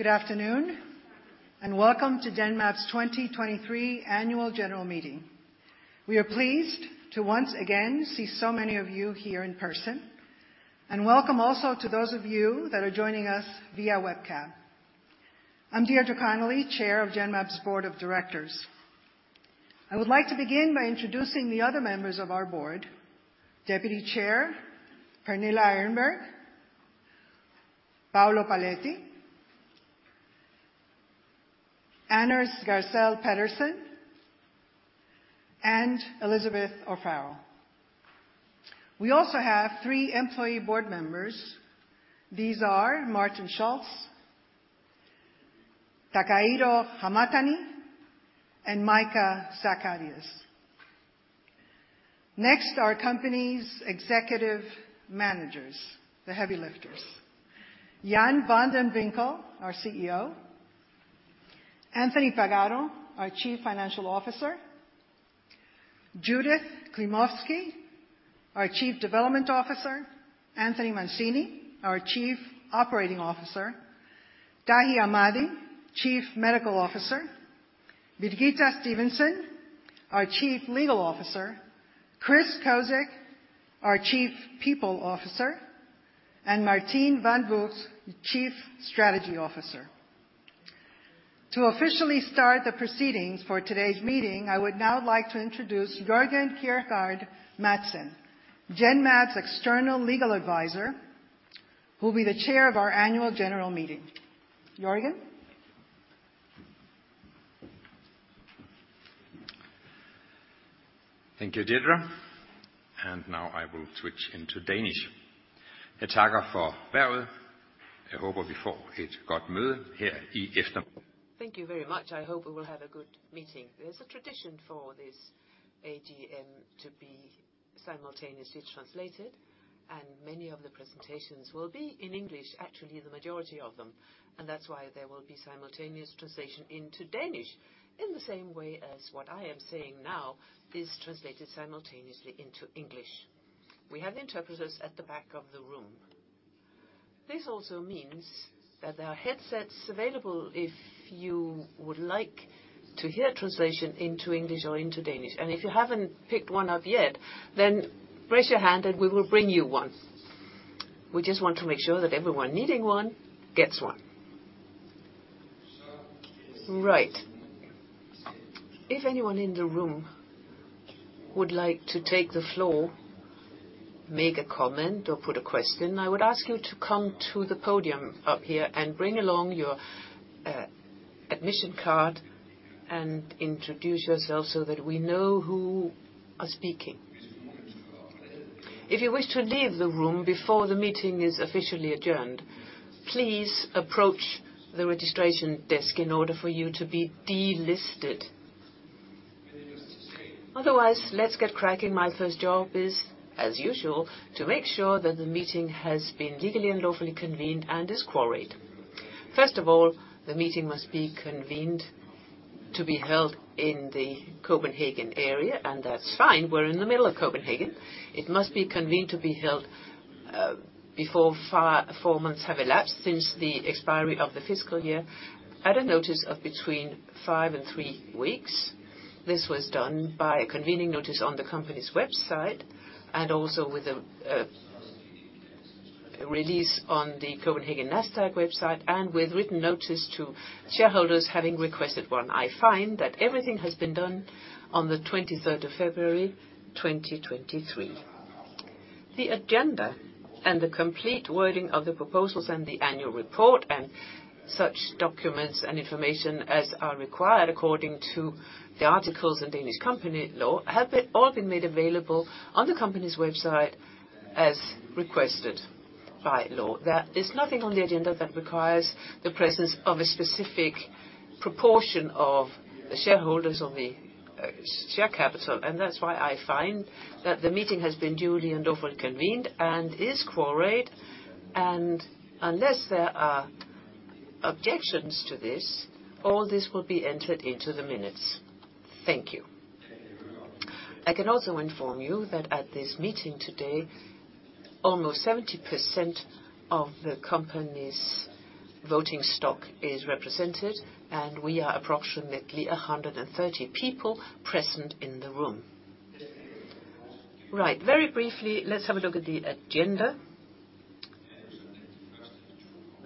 Good afternoon, and welcome to Genmab's 2023 annual general meeting. We are pleased to once again see so many of you here in person, and welcome also to those of you that are joining us via webcam. I'm Deirdre P. Connelly, Chair of Genmab's Board of Directors. I would like to begin by introducing the other members of our board. Deputy Chair, Pernille Erenbjerg, Paolo Paoletti, Anders Gersel Pedersen, and Elizabeth O'Farrell. We also have three employee board members. These are Martin Schulze, Takahiro Hamatani, and Mijke Zachariassen. Next, our company's executive managers, the heavy lifters. Jan van de Winkel, our CEO. Anthony Pagano, our Chief Financial Officer. Judith Klimovsky, our Chief Development Officer. Anthony Mancini, our Chief Operating Officer. Tahi Ahmadi, Chief Medical Officer. Birgitte Stephensen, our Chief Legal Officer. Christopher Cozic, our Chief People Officer, and Martine van Vugt, Chief Strategy Officer. To officially start the proceedings for today's meeting, I would now like to introduce Jørgen Kjergaard Madsen, Genmab's external legal advisor, who will be the chair of our annual general meeting. Jørgen? Thank you, Deirdre. Now I will switch into Danish. Thank you very much. I hope we will have a good meeting. There's a tradition for this AGM to be simultaneously translated, and many of the presentations will be in English, actually the majority of them. That's why there will be simultaneous translation into Danish, in the same way as what I am saying now is translated simultaneously into English. We have interpreters at the back of the room. This also means that there are headsets available if you would like to hear translation into English or into Danish. If you haven't picked one up yet, then raise your hand and we will bring you one. We just want to make sure that everyone needing one gets one. Right. If anyone in the room would like to take the floor, make a comment, or put a question, I would ask you to come to the podium up here and bring along your admission card and introduce yourself so that we know who are speaking. If you wish to leave the room before the meeting is officially adjourned, please approach the registration desk in order for you to be de-listed. Let's get cracking. My first job is, as usual, to make sure that the meeting has been legally and lawfully convened and is quorate. The meeting must be convened to be held in the Copenhagen area, and that's fine. We're in the middle of Copenhagen. It must be convened to be held before four months have elapsed since the expiry of the fiscal year at a notice of between five and three weeks. This was done by a convening notice on the company's website and also with a release on the Nasdaq Copenhagen website and with written notice to shareholders having requested one. I find that everything has been done on the February 23rd, 2023. The agenda and the complete wording of the proposals and the annual report and such documents and information as are required according to the articles in Danish company law have all been made available on the company's website as requested by law. There is nothing on the agenda that requires the presence of a specific proportion of the shareholders or the share capital, and that's why I find that the meeting has been duly and lawfully convened and is quorate. Unless there are objections to this, all this will be entered into the minutes. Thank you. I can also inform you that at this meeting today, almost 70% of the company's voting stock is represented, and we are approximately 130 people present in the room. Right. Very briefly, let's have a look at the agenda.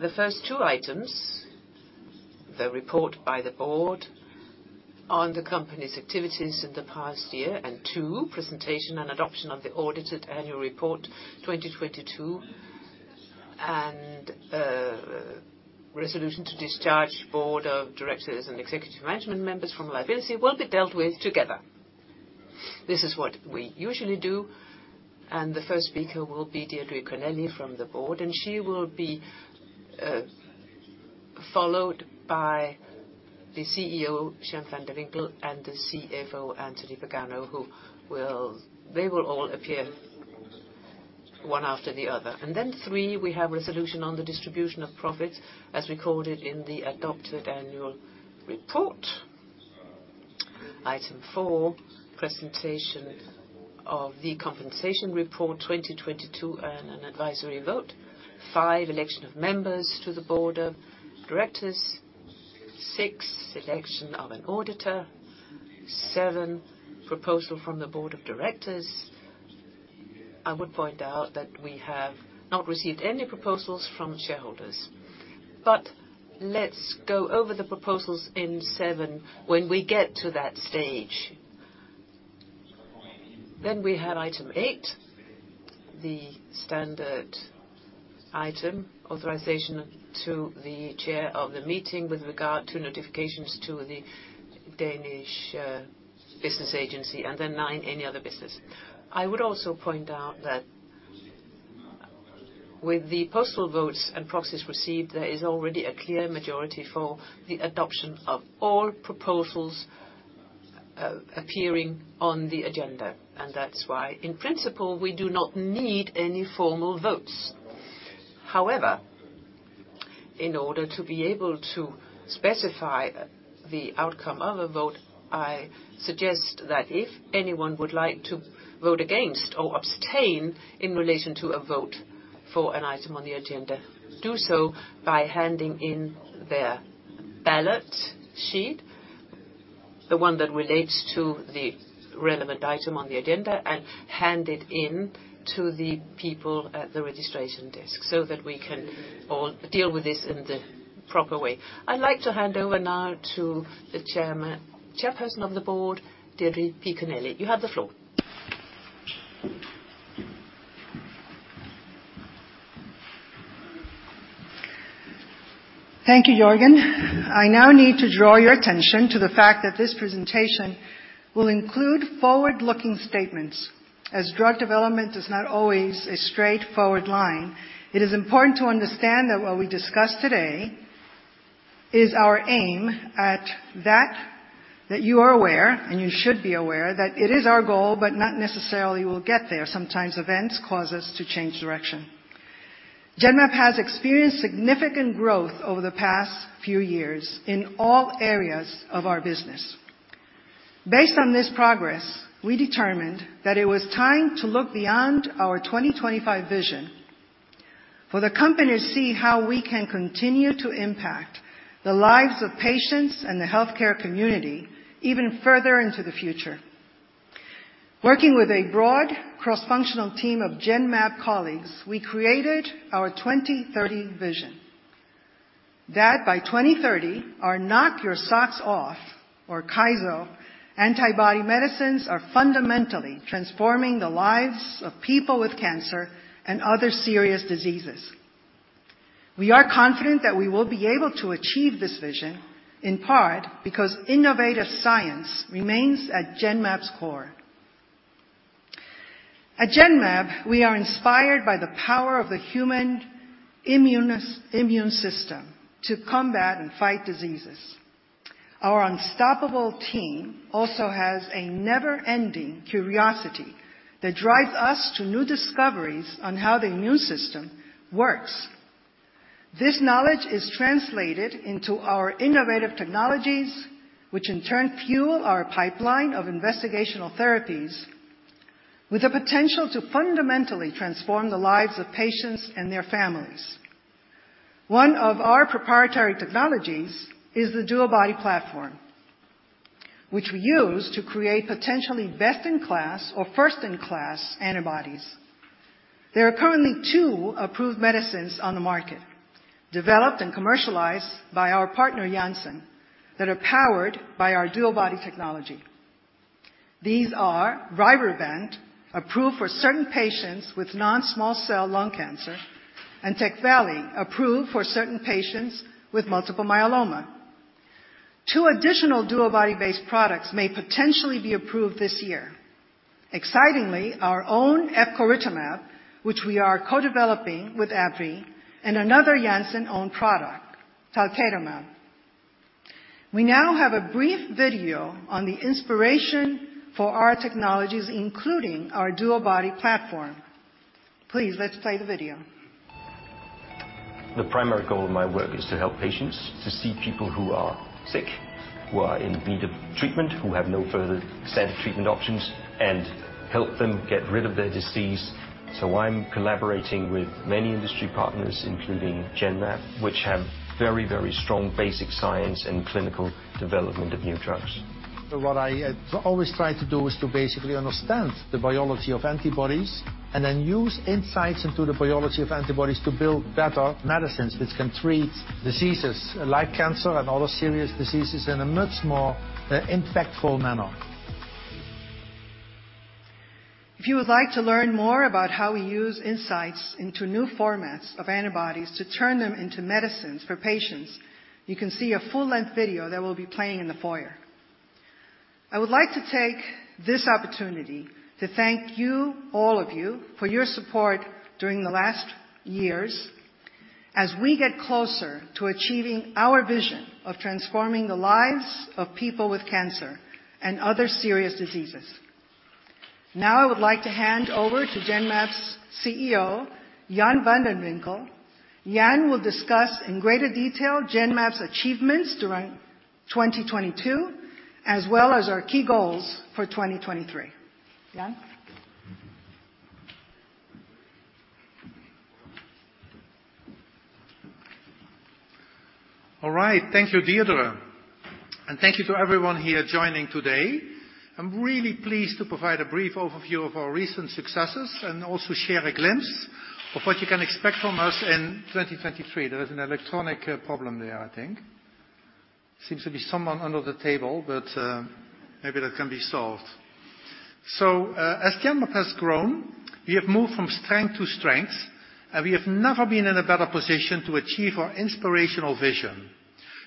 The first two items, the report by the board on the company's activities in the past year, and two, presentation and adoption of the audited annual report 2022, and, resolution to discharge Board of Directors and Executive Management members from liability will be dealt with together. This is what we usually do, and the first speaker will be Deirdre Connelly from the board, and she will be, followed by the CEO, Jan van de Winkel, and the CFO, Anthony Pagano. They will all appear one after the other. Three, we have resolution on the distribution of profits as recorded in the adopted annual report. Item four, presentation of the compensation report 2022 and an advisory vote. five, election of members to the board of directors. six, election of an auditor. seven, proposal from the board of directors. I would point out that we have not received any proposals from shareholders. Let's go over the proposals in seven when we get to that stage. We have item eight, the standard item, authorization to the chair of the meeting with regard to notifications to the Danish Business Agency. And then nine, any other business. I would also point out that with the postal votes and proxies received, there is already a clear majority for the adoption of all proposals appearing on the agenda. That's why, in principle, we do not need any formal votes. However, in order to be able to specify the outcome of a vote, I suggest that if anyone would like to vote against or abstain in relation to a vote for an item on the agenda, do so by handing in their ballot sheet, the one that relates to the relevant item on the agenda, and hand it in to the people at the registration desk, so that we can all deal with this in the proper way. I'd like to hand over now to the Chairman, Chairperson of the Board, Deirdre P. Connelly. You have the floor. Thank you, Jørgen. I now need to draw your attention to the fact that this presentation will include forward-looking statements. As drug development is not always a straightforward line, it is important to understand that what we discuss today is our aim at that you are aware, and you should be aware, that it is our goal, but not necessarily we'll get there. Sometimes events cause us to change direction. Genmab has experienced significant growth over the past few years in all areas of our business. Based on this progress, we determined that it was time to look beyond our 2025 vision for the company to see how we can continue to impact the lives of patients and the healthcare community even further into the future. Working with a broad cross-functional team of Genmab colleagues, we created our 2030 vision. That by 2030, our knock your socks off, or KYSO antibody medicines are fundamentally transforming the lives of people with cancer and other serious diseases. We are confident that we will be able to achieve this vision, in part, because innovative science remains at Genmab's core. At Genmab, we are inspired by the power of the human immune system to combat and fight diseases. Our unstoppable team also has a never-ending curiosity that drives us to new discoveries on how the immune system works. This knowledge is translated into our innovative technologies, which in turn fuel our pipeline of investigational therapies with the potential to fundamentally transform the lives of patients and their families. One of our proprietary technologies is the DuoBody platform, which we use to create potentially best-in-class or first-in-class antibodies. There are currently two approved medicines on the market, developed and commercialized by our partner, Janssen, that are powered by our DuoBody technology. These are RYBREVANT, approved for certain patients with non-small cell lung cancer, and TECVAYLI, approved for certain patients with multiple myeloma. Two additional DuoBody-based products may potentially be approved this year. Excitingly, our own epcoritamab, which we are co-developing with AbbVie, and another Janssen own product, talquetamab. We now have a brief video on the inspiration for our technologies, including our DuoBody platform. Please, let's play the video. The primary goal of my work is to help patients, to see people who are sick, who are in need of treatment, who have no further standard treatment options, and help them get rid of their disease. I'm collaborating with many industry partners, including Genmab, which have very, very strong basic science and clinical development of new drugs. What I always try to do is to basically understand the biology of antibodies and then use insights into the biology of antibodies to build better medicines which can treat diseases like cancer and other serious diseases in a much more impactful manner. If you would like to learn more about how we use insights into new formats of antibodies to turn them into medicines for patients, you can see a full-length video that will be playing in the foyer. I would like to take this opportunity to thank you, all of you, for your support during the last years as we get closer to achieving our vision of transforming the lives of people with cancer and other serious diseases. I would like to hand over to Genmab's CEO, Jan van de Winkel. Jan will discuss in greater detail Genmab's achievements during 2022, as well as our key goals for 2023. Jan? All right. Thank you, Deirdre, and thank you to everyone here joining today. I'm really pleased to provide a brief overview of our recent successes and also share a glimpse of what you can expect from us in 2023. There is an electronic problem there, I think. Seems to be someone under the table, but maybe that can be solved. As Genmab has grown, we have moved from strength to strength, and we have never been in a better position to achieve our inspirational vision.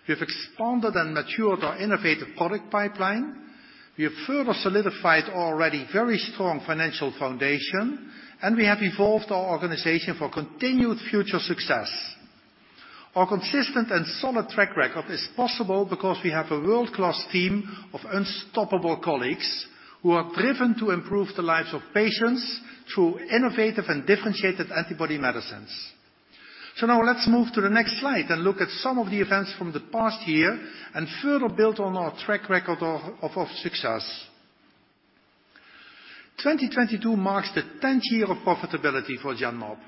We have expanded and matured our innovative product pipeline, we have further solidified our already very strong financial foundation, and we have evolved our organization for continued future success. Our consistent and solid track record is possible because we have a world-class team of unstoppable colleagues who are driven to improve the lives of patients through innovative and differentiated antibody medicines. Now let's move to the next slide and look at some of the events from the past year and further build on our track record of success. 2022 marks the 10th year of profitability for Genmab,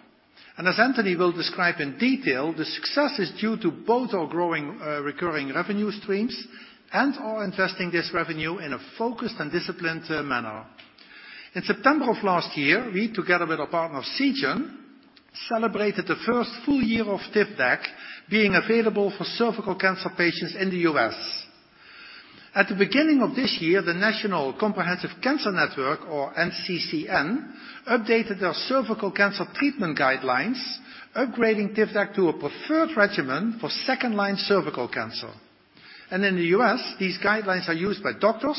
and as Anthony will describe in detail, the success is due to both our growing recurring revenue streams and our investing this revenue in a focused and disciplined manner. In September of last year, we, together with our partner Seagen, celebrated the first full year of Tivdak being available for cervical cancer patients in the U.S. At the beginning of this year, the National Comprehensive Cancer Network, or NCCN, updated their cervical cancer treatment guidelines, upgrading Tivdak to a preferred regimen for second-line cervical cancer. In the U.S., these guidelines are used by doctors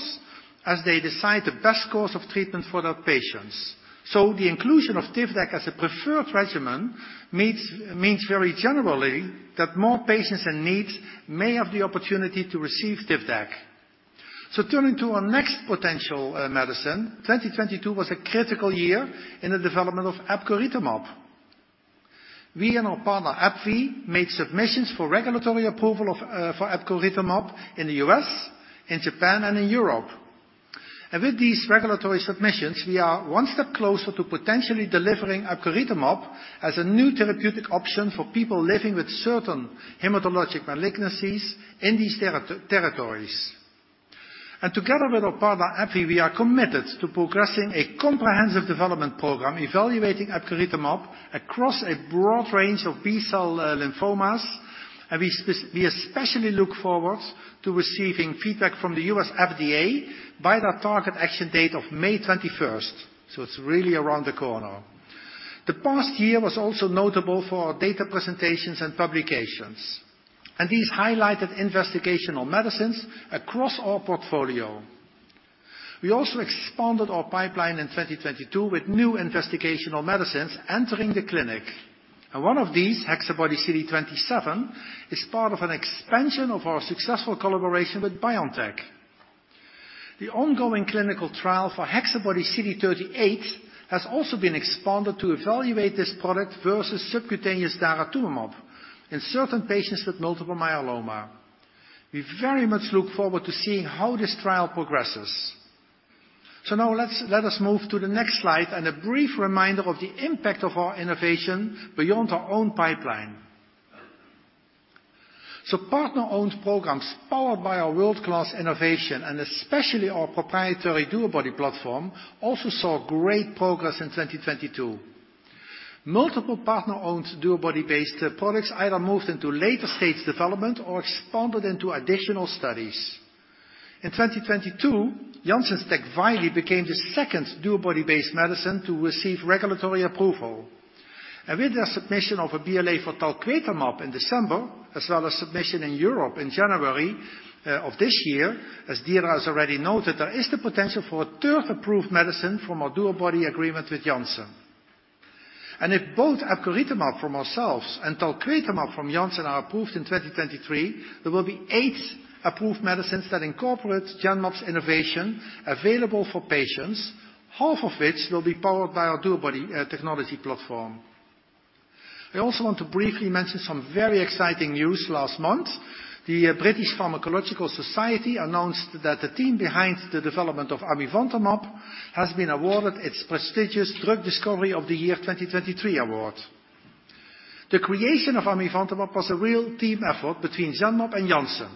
as they decide the best course of treatment for their patients. The inclusion of Tivdak as a preferred regimen means very generally that more patients in need may have the opportunity to receive Tivdak. Turning to our next potential medicine, 2022 was a critical year in the development of epcoritamab. We and our partner AbbVie made submissions for regulatory approval for epcoritamab in the U.S., in Japan, and in Europe. With these regulatory submissions, we are one step closer to potentially delivering epcoritamab as a new therapeutic option for people living with certain hematologic malignancies in these territories. Together with our partner AbbVie, we are committed to progressing a comprehensive development program evaluating epcoritamab across a broad range of B-cell lymphomas. We especially look forward to receiving feedback from the U.S. FDA by their target action date of May 21st. It's really around the corner. The past year was also notable for our data presentations and publications, and these highlighted investigational medicines across our portfolio. We also expanded our pipeline in 2022 with new investigational medicines entering the clinic. One of these, HexaBody-CD27, is part of an expansion of our successful collaboration with BioNTech. The ongoing clinical trial for HexaBody-CD38 has also been expanded to evaluate this product versus subcutaneous daratumumab in certain patients with multiple myeloma. We very much look forward to seeing how this trial progresses. Now let us move to the next slide and a brief reminder of the impact of our innovation beyond our own pipeline. Partner-owned programs powered by our world-class innovation, and especially our proprietary DuoBody platform, also saw great progress in 2022. Multiple partner-owned DuoBody-based products either moved into later stage development or expanded into additional studies. In 2022, Janssen's TECVAYLI became the second DuoBody-based medicine to receive regulatory approval. With their submission of a BLA for talquetamab in December, as well as submission in Europe in January of this year, as Deirdre has already noted, there is the potential for a third approved medicine from our DuoBody agreement with Janssen. If both epcoritamab from ourselves and talquetamab from Janssen are approved in 2023, there will be 8 approved medicines that incorporate Genmab's innovation available for patients, half of which will be powered by our DuoBody technology platform. I also want to briefly mention some very exciting news last month. The British Pharmacological Society announced that the team behind the development of amivantamab has been awarded its prestigious Drug Discovery of the Year 2023 award. The creation of amivantamab was a real team effort between Genmab and Janssen.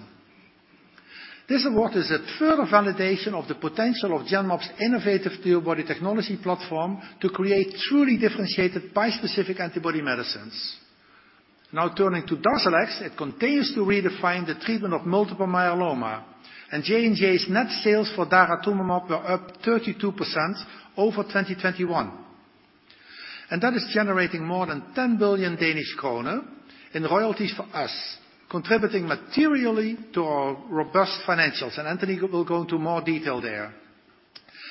This award is a further validation of the potential of Genmab's innovative DuoBody technology platform to create truly differentiated bispecific antibody medicines. Turning to Darzalex, it continues to redefine the treatment of multiple myeloma. Johnson & Johnson's net sales for daratumumab were up 32% over 2021. That is generating more than 10 billion Danish kroner in royalties for us, contributing materially to our robust financials. Anthony will go into more detail there.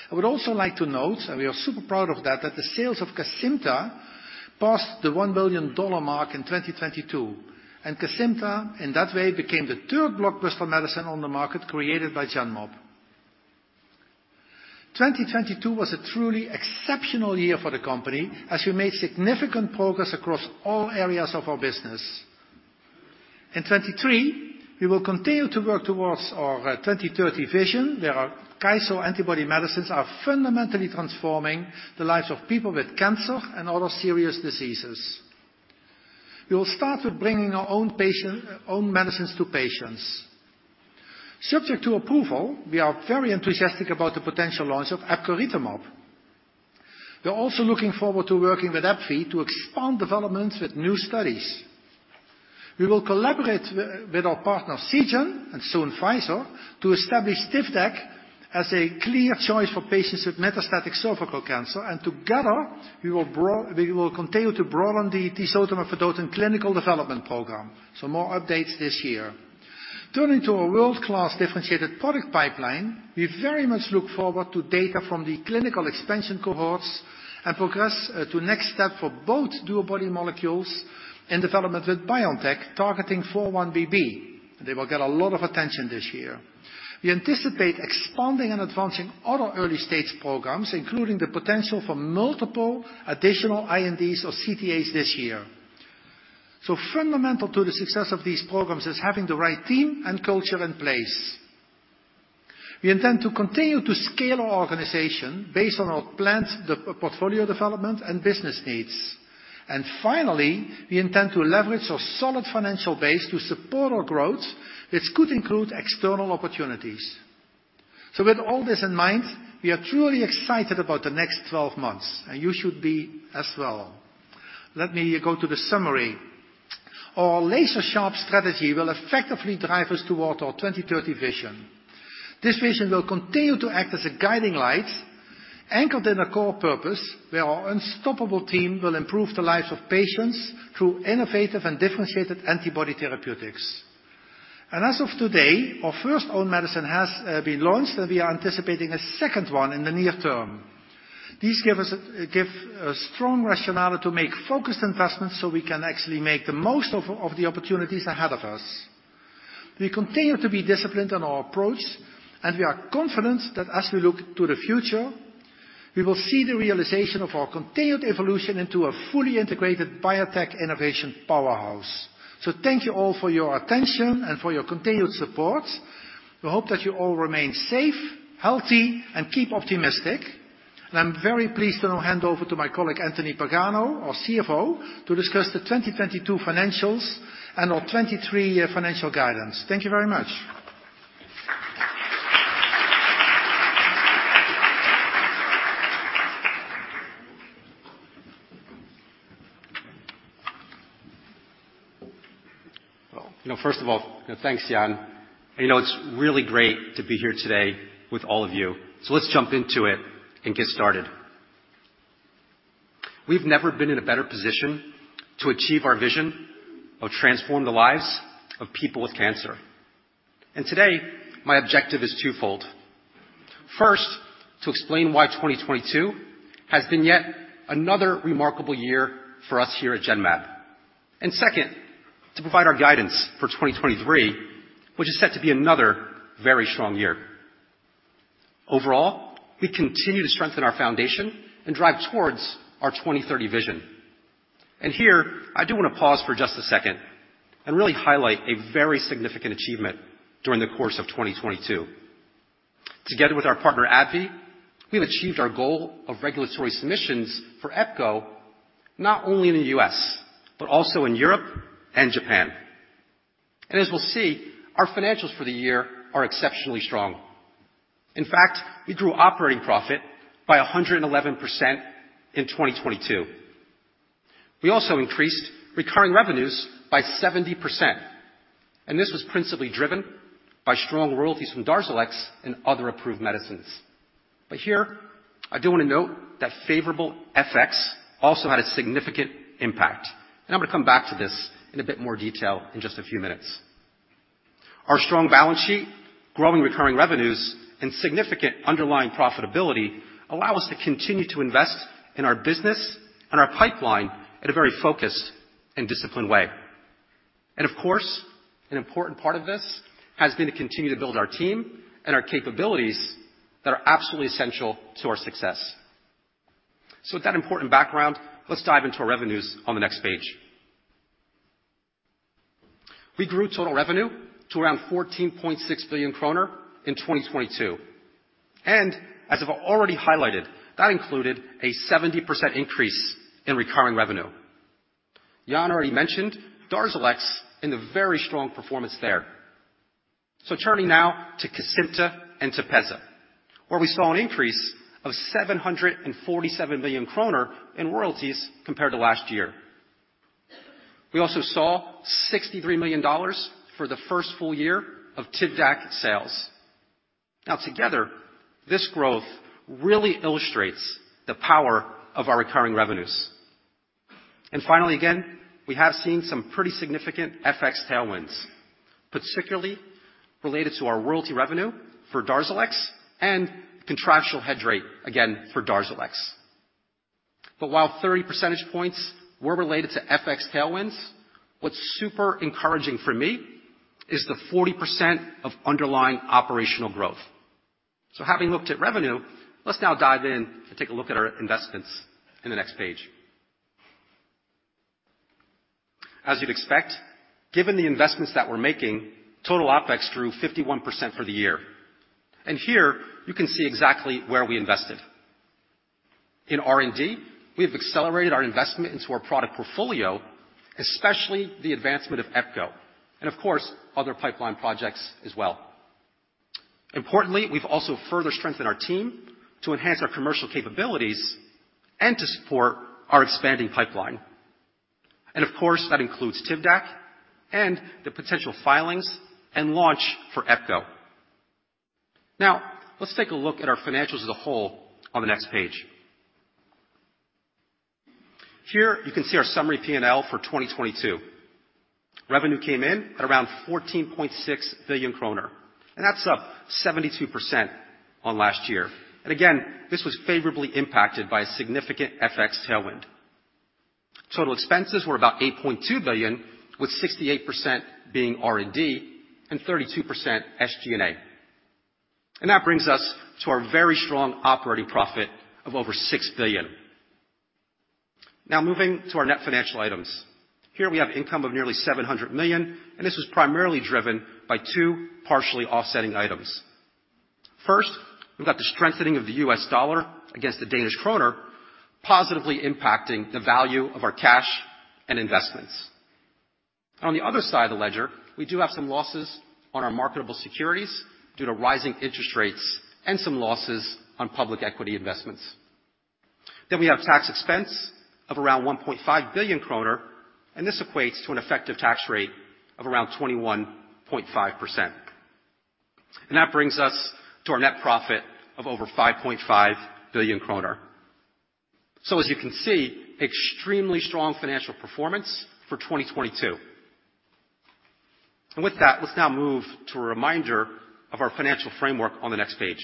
I would also like to note, we are super proud of that the sales of Kesimpta passed the $1 billion mark in 2022. Kesimpta, in that way, became the third blockbuster medicine on the market created by Genmab. 2022 was a truly exceptional year for the company as we made significant progress across all areas of our business. In 2023, we will continue to work towards our 2030 vision, where our KYSO antibody medicines are fundamentally transforming the lives of people with cancer and other serious diseases. We will start with bringing our own medicines to patients. Subject to approval, we are very enthusiastic about the potential launch of epcoritamab. We're also looking forward to working with AbbVie to expand developments with new studies. We will collaborate with our partner Seagen, and soon Pfizer, to establish Tivdak as a clear choice for patients with metastatic cervical cancer, and together, we will continue to broaden the tisotumab vedotin clinical development program. More updates this year. Turning to our world-class differentiated product pipeline, we very much look forward to data from the clinical expansion cohorts and progress to next step for both DuoBody molecules and development with BioNTech, targeting 4-1BB. They will get a lot of attention this year. We anticipate expanding and advancing other early stage programs, including the potential for multiple additional INDs or CTAs this year. Fundamental to the success of these programs is having the right team and culture in place. We intend to continue to scale our organization based on our planned portfolio development and business needs. Finally, we intend to leverage our solid financial base to support our growth, which could include external opportunities. With all this in mind, we are truly excited about the next 12 months, and you should be as well. Let me go to the summary. Our laser sharp strategy will effectively drive us toward our 2030 vision. This vision will continue to act as a guiding light, anchored in a core purpose where our unstoppable team will improve the lives of patients through innovative and differentiated antibody therapeutics. As of today, our first own medicine has been launched, and we are anticipating a second one in the near term. These give us a strong rationale to make focused investments so we can actually make the most of the opportunities ahead of us. We continue to be disciplined in our approach, and we are confident that as we look to the future, we will see the realization of our continued evolution into a fully integrated biotech innovation powerhouse. Thank you all for your attention and for your continued support. We hope that you all remain safe, healthy, and keep optimistic. I'm very pleased to now hand over to my colleague, Anthony Pagano, our CFO, to discuss the 2022 financials and our 2023 financial guidance. Thank you very much. Well, you know, first of all, thanks, Jan. You know, it's really great to be here today with all of you. Let's jump into it and get started. We've never been in a better position to achieve our vision or transform the lives of people with cancer. Today, my objective is twofold. First, to explain why 2022 has been yet another remarkable year for us here at Genmab. Second, to provide our guidance for 2023, which is set to be another very strong year. Overall, we continue to strengthen our foundation and drive towards our 2030 vision. Here, I do wanna pause for just a second and really highlight a very significant achievement during the course of 2022. Together with our partner, AbbVie, we've achieved our goal of regulatory submissions for Epco, not only in the U.S., but also in Europe and Japan. As we'll see, our financials for the year are exceptionally strong. In fact, we grew operating profit by 111% in 2022. We also increased recurring revenues by 70%, and this was principally driven by strong royalties from Darzalex and other approved medicines. Here, I do wanna note that favorable FX also had a significant impact, and I'm gonna come back to this in a bit more detail in just a few minutes. Our strong balance sheet, growing recurring revenues, and significant underlying profitability allow us to continue to invest in our business and our pipeline in a very focused and disciplined way. Of course, an important part of this has been to continue to build our team and our capabilities that are absolutely essential to our success. With that important background, let's dive into our revenues on the next page. We grew total revenue to around 14.6 billion kroner in 2022. As I've already highlighted, that included a 70% increase in recurring revenue. Jan already mentioned Darzalex and the very strong performance there. Turning now to Casvynta and Tepezza, where we saw an increase of 747 million kroner in royalties compared to last year. We also saw $63 million for the first full year of Tivdak sales. Now together, this growth really illustrates the power of our recurring revenues. Finally, again, we have seen some pretty significant FX tailwinds. Particularly related to our royalty revenue for Darzalex and contractual head rate, again for Darzalex. While 30 percentage points were related to FX tailwinds, what's super encouraging for me is the 40% of underlying operational growth. Having looked at revenue, let's now dive in and take a look at our investments in the next page. As you'd expect, given the investments that we're making, total OpEx grew 51% for the year. Here you can see exactly where we invested. In R&D, we have accelerated our investment into our product portfolio, especially the advancement of Epco and of course, other pipeline projects as well. Importantly, we've also further strengthened our team to enhance our commercial capabilities and to support our expanding pipeline. Of course, that includes Tivdak and the potential filings and launch for Epco. Let's take a look at our financials as a whole on the next page. You can see our summary P&L for 2022. Revenue came in at around 14.6 billion kroner, and that's up 72% on last year. Again, this was favorably impacted by a significant FX tailwind. Total expenses were about 8.2 billion, with 68% being R&D and 32% SG&A. That brings us to our very strong operating profit of over 6 billion. Now moving to our net financial items. Here we have income of nearly 700 million, and this was primarily driven by two partially offsetting items. First, we've got the strengthening of the U.S. dollar against the Danish kroner, positively impacting the value of our cash and investments. On the other side of the ledger, we do have some losses on our marketable securities due to rising interest rates and some losses on public equity investments. We have tax expense of around 1.5 billion kroner, and this equates to an effective tax rate of around 21.5%. That brings us to our net profit of over 5.5 billion kroner. As you can see, extremely strong financial performance for 2022. With that, let's now move to a reminder of our financial framework on the next page.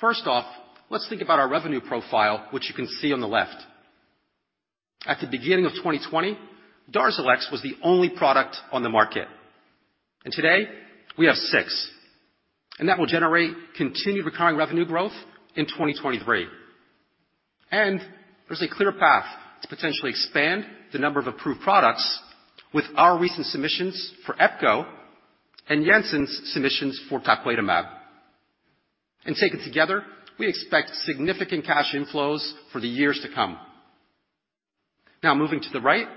First off, let's think about our revenue profile, which you can see on the left. At the beginning of 2020, Darzalex was the only product on the market, and today we have six. That will generate continued recurring revenue growth in 2023. There's a clear path to potentially expand the number of approved products with our recent submissions for Epco and Janssen's submissions for talquetamab. Taken together, we expect significant cash inflows for the years to come. Now moving to the right,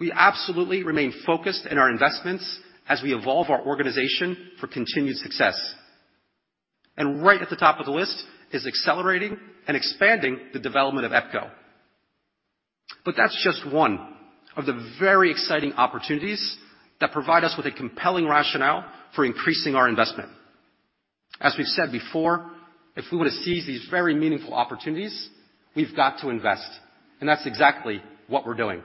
we absolutely remain focused in our investments as we evolve our organization for continued success. Right at the top of the list is accelerating and expanding the development of Epco. That's just one of the very exciting opportunities that provide us with a compelling rationale for increasing our investment. As we've said before, if we were to seize these very meaningful opportunities, we've got to invest, and that's exactly what we're doing.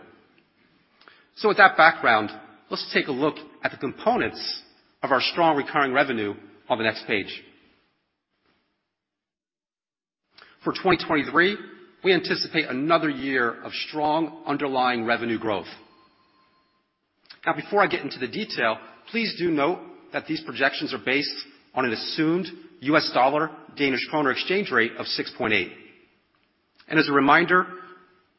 With that background, let's take a look at the components of our strong recurring revenue on the next page. For 2023, we anticipate another year of strong underlying revenue growth. Before I get into the detail, please do note that these projections are based on an assumed U.S. dollar Danish kroner exchange rate of 6.8. As a reminder,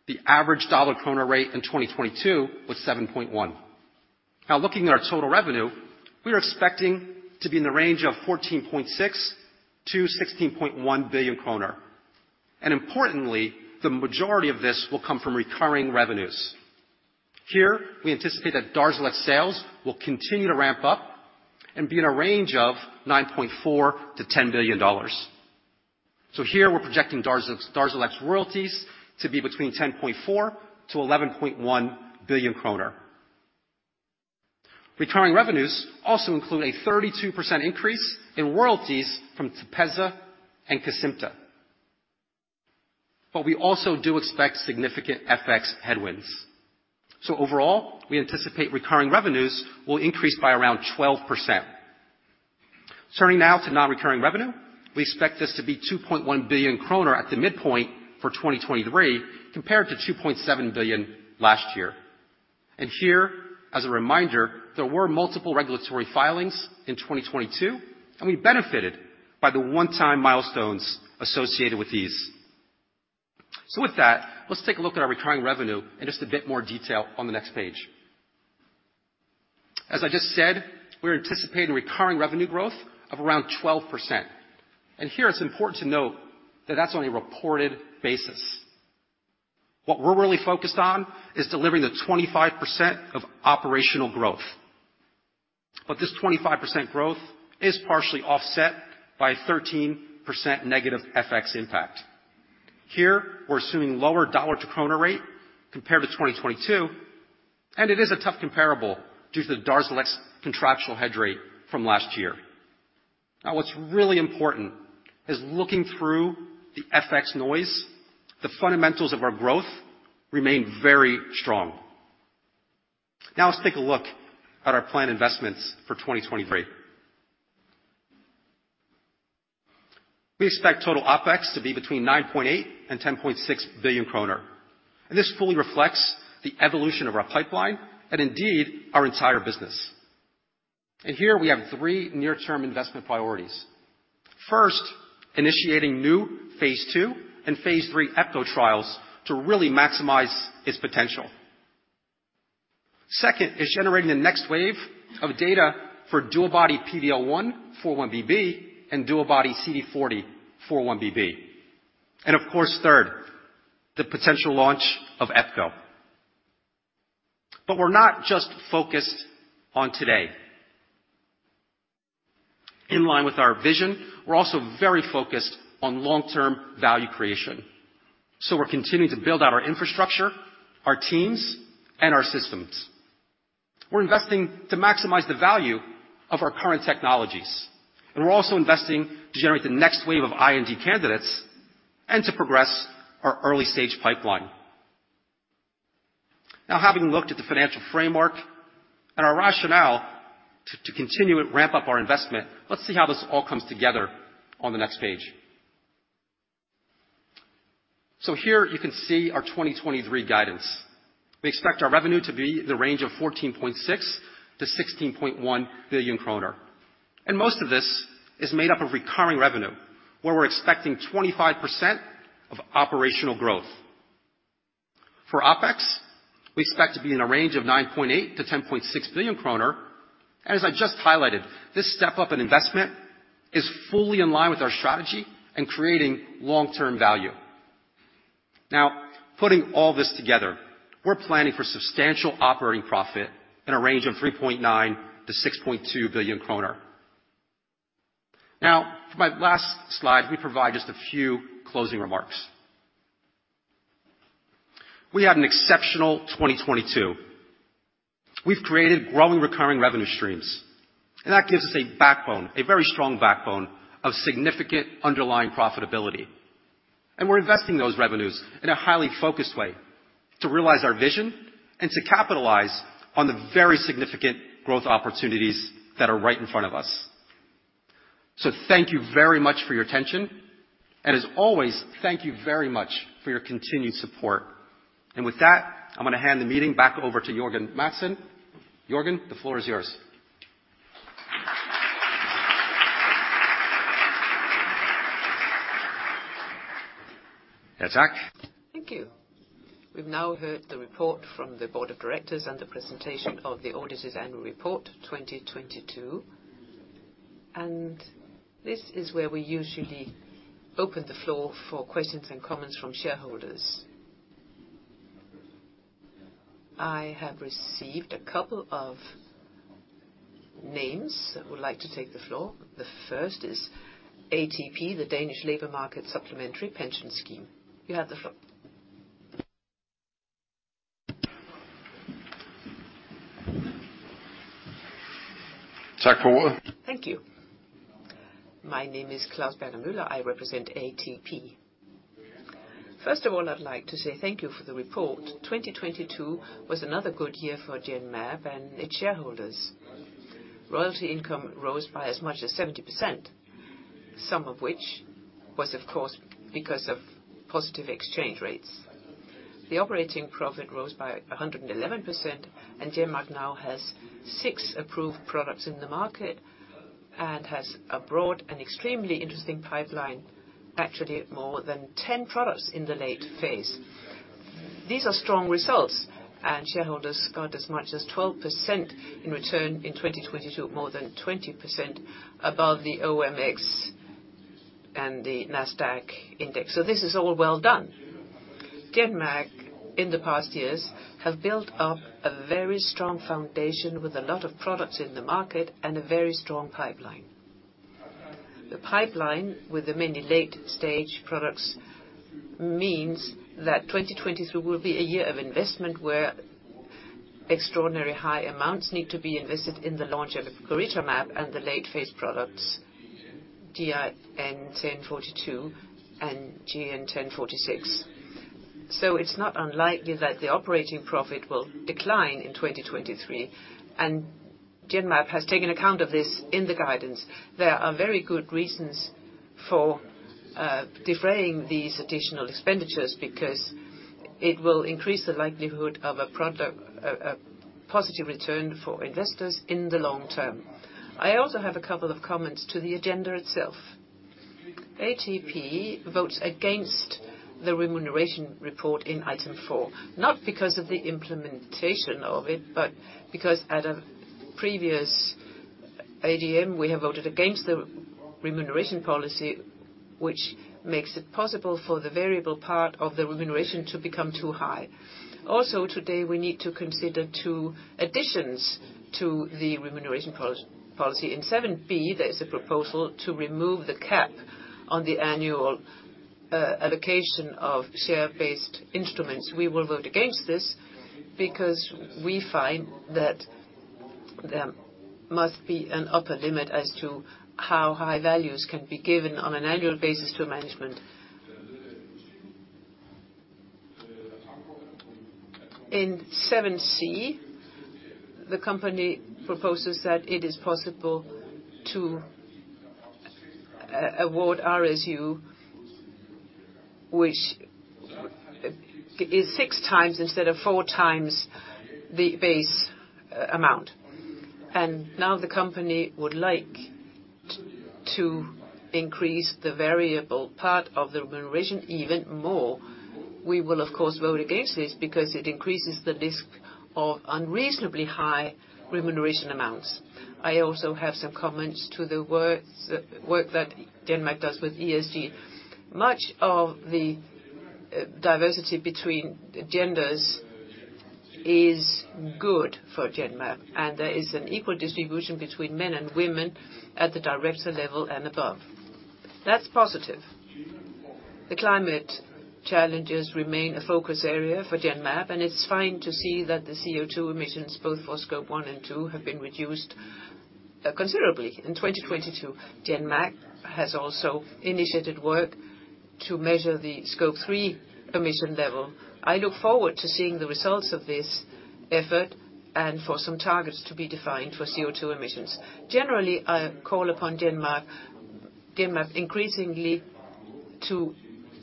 the average dollar-kroner rate in 2022 was 7.1. Looking at our total revenue, we are expecting to be in the range of 14.6 billion-16.1 billion kroner. Importantly, the majority of this will come from recurring revenues. Here we anticipate that Darzalex sales will continue to ramp up and be in a range of $9.4 billion-$10 billion. Here we're projecting Darzalex royalties to be between 10.4 billion-11.1 billion kroner. Returning revenues also include a 32% increase in royalties from Tepezza and Casymta. We also do expect significant FX headwinds. Overall, we anticipate recurring revenues will increase by around 12%. Turning now to non-recurring revenue, we expect this to be 2.1 billion kroner at the midpoint for 2023 compared to 2.7 billion last year. Here, as a reminder, there were multiple regulatory filings in 2022, and we benefited by the one-time milestones associated with these. With that, let's take a look at our recurring revenue in just a bit more detail on the next page. As I just said, we're anticipating recurring revenue growth of around 12%. Here it's important to note that that's on a reported basis. What we're really focused on is delivering the 25% of operational growth. This 25% growth is partially offset by a 13% negative FX impact. Here, we're assuming lower dollar to kroner rate compared to 2022, and it is a tough comparable due to the Darzalex contractual head rate from last year. Now what's really important is looking through the FX noise, the fundamentals of our growth remain very strong. Now let's take a look at our planned investments for 2023. We expect total OpEx to be between 9.8 billion and 10.6 billion kroner. This fully reflects the evolution of our pipeline and indeed our entire business. Here we have three near-term investment priorities. First, initiating new phase II and phase III Epco trials to really maximize its potential. Second is generating the next wave of data for DuoBody-PD-L1x4-1BB and DuoBody-CD40x4-1BB. Of course third, the potential launch of Epco. We're not just focused on today. In line with our vision, we're also very focused on long-term value creation. We're continuing to build out our infrastructure, our teams, and our systems. We're investing to maximize the value of our current technologies. We're also investing to generate the next wave of IND candidates and to progress our early-stage pipeline. Having looked at the financial framework and our rationale to continue and ramp up our investment, let's see how this all comes together on the next page. Here you can see our 2023 guidance. We expect our revenue to be the range of 14.6 billion-16.1 billion kroner. Most of this is made up of recurring revenue, where we're expecting 25% of operational growth. For OpEx, we expect to be in a range of 9.8 billion-10.6 billion kroner. As I just highlighted, this step-up in investment is fully in line with our strategy in creating long-term value. Putting all this together, we're planning for substantial operating profit in a range of 3.9 billion-6.2 billion kroner. For my last slide, we provide just a few closing remarks. We had an exceptional 2022. We've created growing recurring revenue streams. That gives us a backbone, a very strong backbone of significant underlying profitability. We're investing those revenues in a highly focused way to realize our vision and to capitalize on the very significant growth opportunities that are right in front of us. Thank you very much for your attention. As always, thank you very much for your continued support. With that, I'm gonna hand the meeting back over to Jørgen Madsen. Jørgen, the floor is yours. Thank you. We've now heard the report from the board of directors and the presentation of the auditor's annual report, 2022. This is where we usually open the floor for questions and comments from shareholders. I have received a couple of names that would like to take the floor. The first is ATP, the Danish Labour Market Supplementary Pension Scheme. You have the floor. Thank you. My name is Claus Berner Møller, I represent ATP. First of all, I'd like to say thank you for the report. 2022 was another good year for Genmab and its shareholders. Royalty income rose by as much as 70%, some of which was of course because of positive exchange rates. The operating profit rose by 111%, and Genmab now has 6 approved products in the market and has a broad and extremely interesting pipeline, actually more than 10 products in the late-phase. These are strong results. Shareholders got as much as 12% in return in 2022, more than 20% above the OMX and the NASDAQ index. This is all well done. Genmab, in the past years have built up a very strong foundation with a lot of products in the market and a very strong pipeline. The pipeline with the many late-stage products means that 2023 will be a year of investment, where extraordinary high amounts need to be invested in the launch of epcoritamab and the late-phase products, GEN1042 and GEN1046. It's not unlikely that the operating profit will decline in 2023, and Genmab has taken account of this in the guidance. There are very good reasons for defraying these additional expenditures because it will increase the likelihood of a product, a positive return for investors in the long term. I also have a couple of comments to the agenda itself. ATP votes against the remuneration report in item four, not because of the implementation of it, but because at a previous ADM we have voted against the remuneration policy, which makes it possible for the variable part of the remuneration to become too high. Also, today, we need to consider two additions to the remuneration policy. In 7B, there is a proposal to remove the cap on the annual allocation of share-based instruments. We will vote against this because we find that there must be an upper limit as to how high values can be given on an annual basis to management. In 7C, the company proposes that it is possible to award RSU, which is 6x instead of 4x the base amount. Now the company would like to increase the variable part of the remuneration even more. We will of course vote against this because it increases the risk of unreasonably high remuneration amounts. I also have some comments to the work that Genmab does with ESG. Much of the diversity between genders is good for Genmab, and there is an equal distribution between men and women at the director level and above. That's positive. The climate challenges remain a focus area for Genmab, and it's fine to see that the CO2 emissions both for Scope 1 and two have been reduced considerably in 2022. Genmab has also initiated work to measure the Scope 3 emission level. I look forward to seeing the results of this effort and for some targets to be defined for CO2 emissions. Generally, I call upon Genmab increasingly to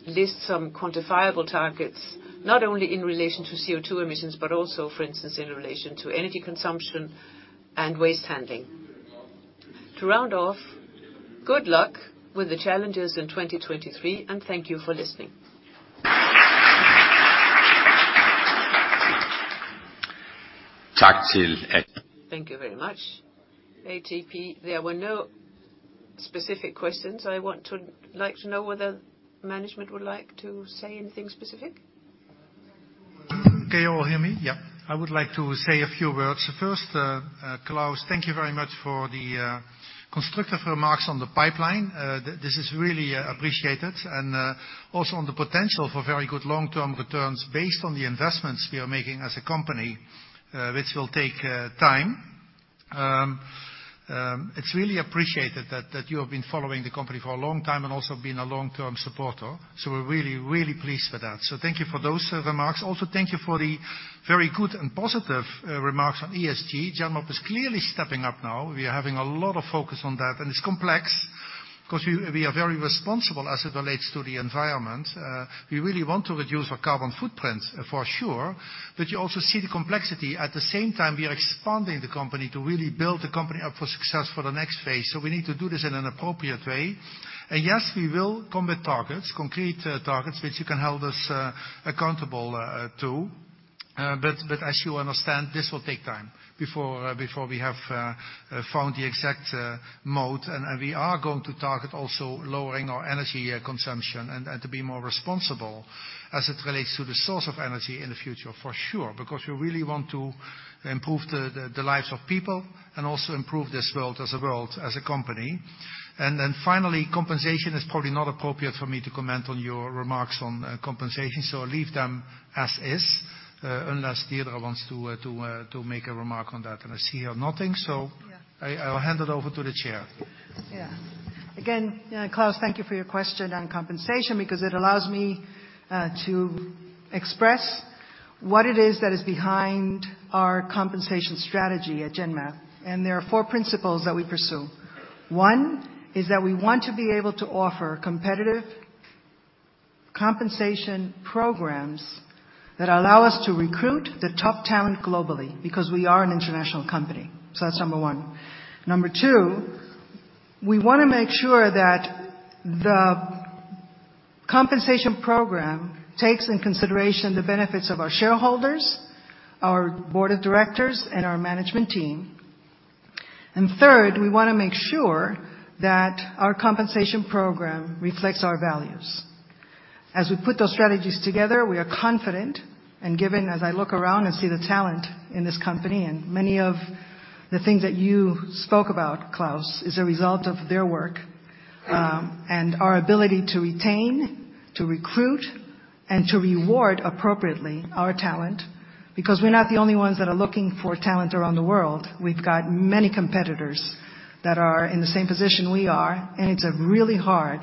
list some quantifiable targets, not only in relation to CO2 emissions, but also, for instance, in relation to energy consumption and waste handling. To round off, good luck with the challenges in 2023, and thank you for listening. Thank you very much, ATP. There were no specific questions. I like to know whether management would like to say anything specific. Can you all hear me? Yeah. I would like to say a few words. First, Klaus, thank you very much for the constructive remarks on the pipeline. This is really appreciated, and also on the potential for very good long-term returns based on the investments we are making as a company, which will take time. It's really appreciated that you have been following the company for a long time and also been a long-term supporter. We're really, really pleased with that. Thank you for those remarks. Thank you for the very good and positive remarks on ESG. Genmab is clearly stepping up now. We are having a lot of focus on that, and it's complex because we are very responsible as it relates to the environment. We really want to reduce our carbon footprint for sure, you also see the complexity. At the same time, we are expanding the company to really build the company up for success for the next phase. We need to do this in an appropriate way. Yes, we will come with targets, concrete targets, which you can hold us accountable to. As you understand, this will take time before we have found the exact mode. We are going to target also lowering our energy consumption and to be more responsible as it relates to the source of energy in the future, for sure. We really want to improve the lives of people and also improve this world as a company. Finally, compensation is probably not appropriate for me to comment on your remarks on, compensation. I'll leave them as is, unless Deirdre wants to make a remark on that. I see her nodding, so I'll hand it over to the chair. Yeah. Again, Claus, thank you for your question on compensation because it allows me to express what it is that is behind our compensation strategy at Genmab. There are four principles that we pursue. One is that we want to be able to offer competitive compensation programs that allow us to recruit the top talent globally because we are an international company. That's number one. Number two, we wanna make sure that the compensation program takes in consideration the benefits of our shareholders, our board of directors, and our management team. Third, we wanna make sure that our compensation program reflects our values. As we put those strategies together, we are confident and given as I look around and see the talent in this company, and many of the things that you spoke about, Claus, is a result of their work, and our ability to retain, to recruit, and to reward appropriately our talent. We're not the only ones that are looking for talent around the world. We've got many competitors that are in the same position we are, and it's a really hard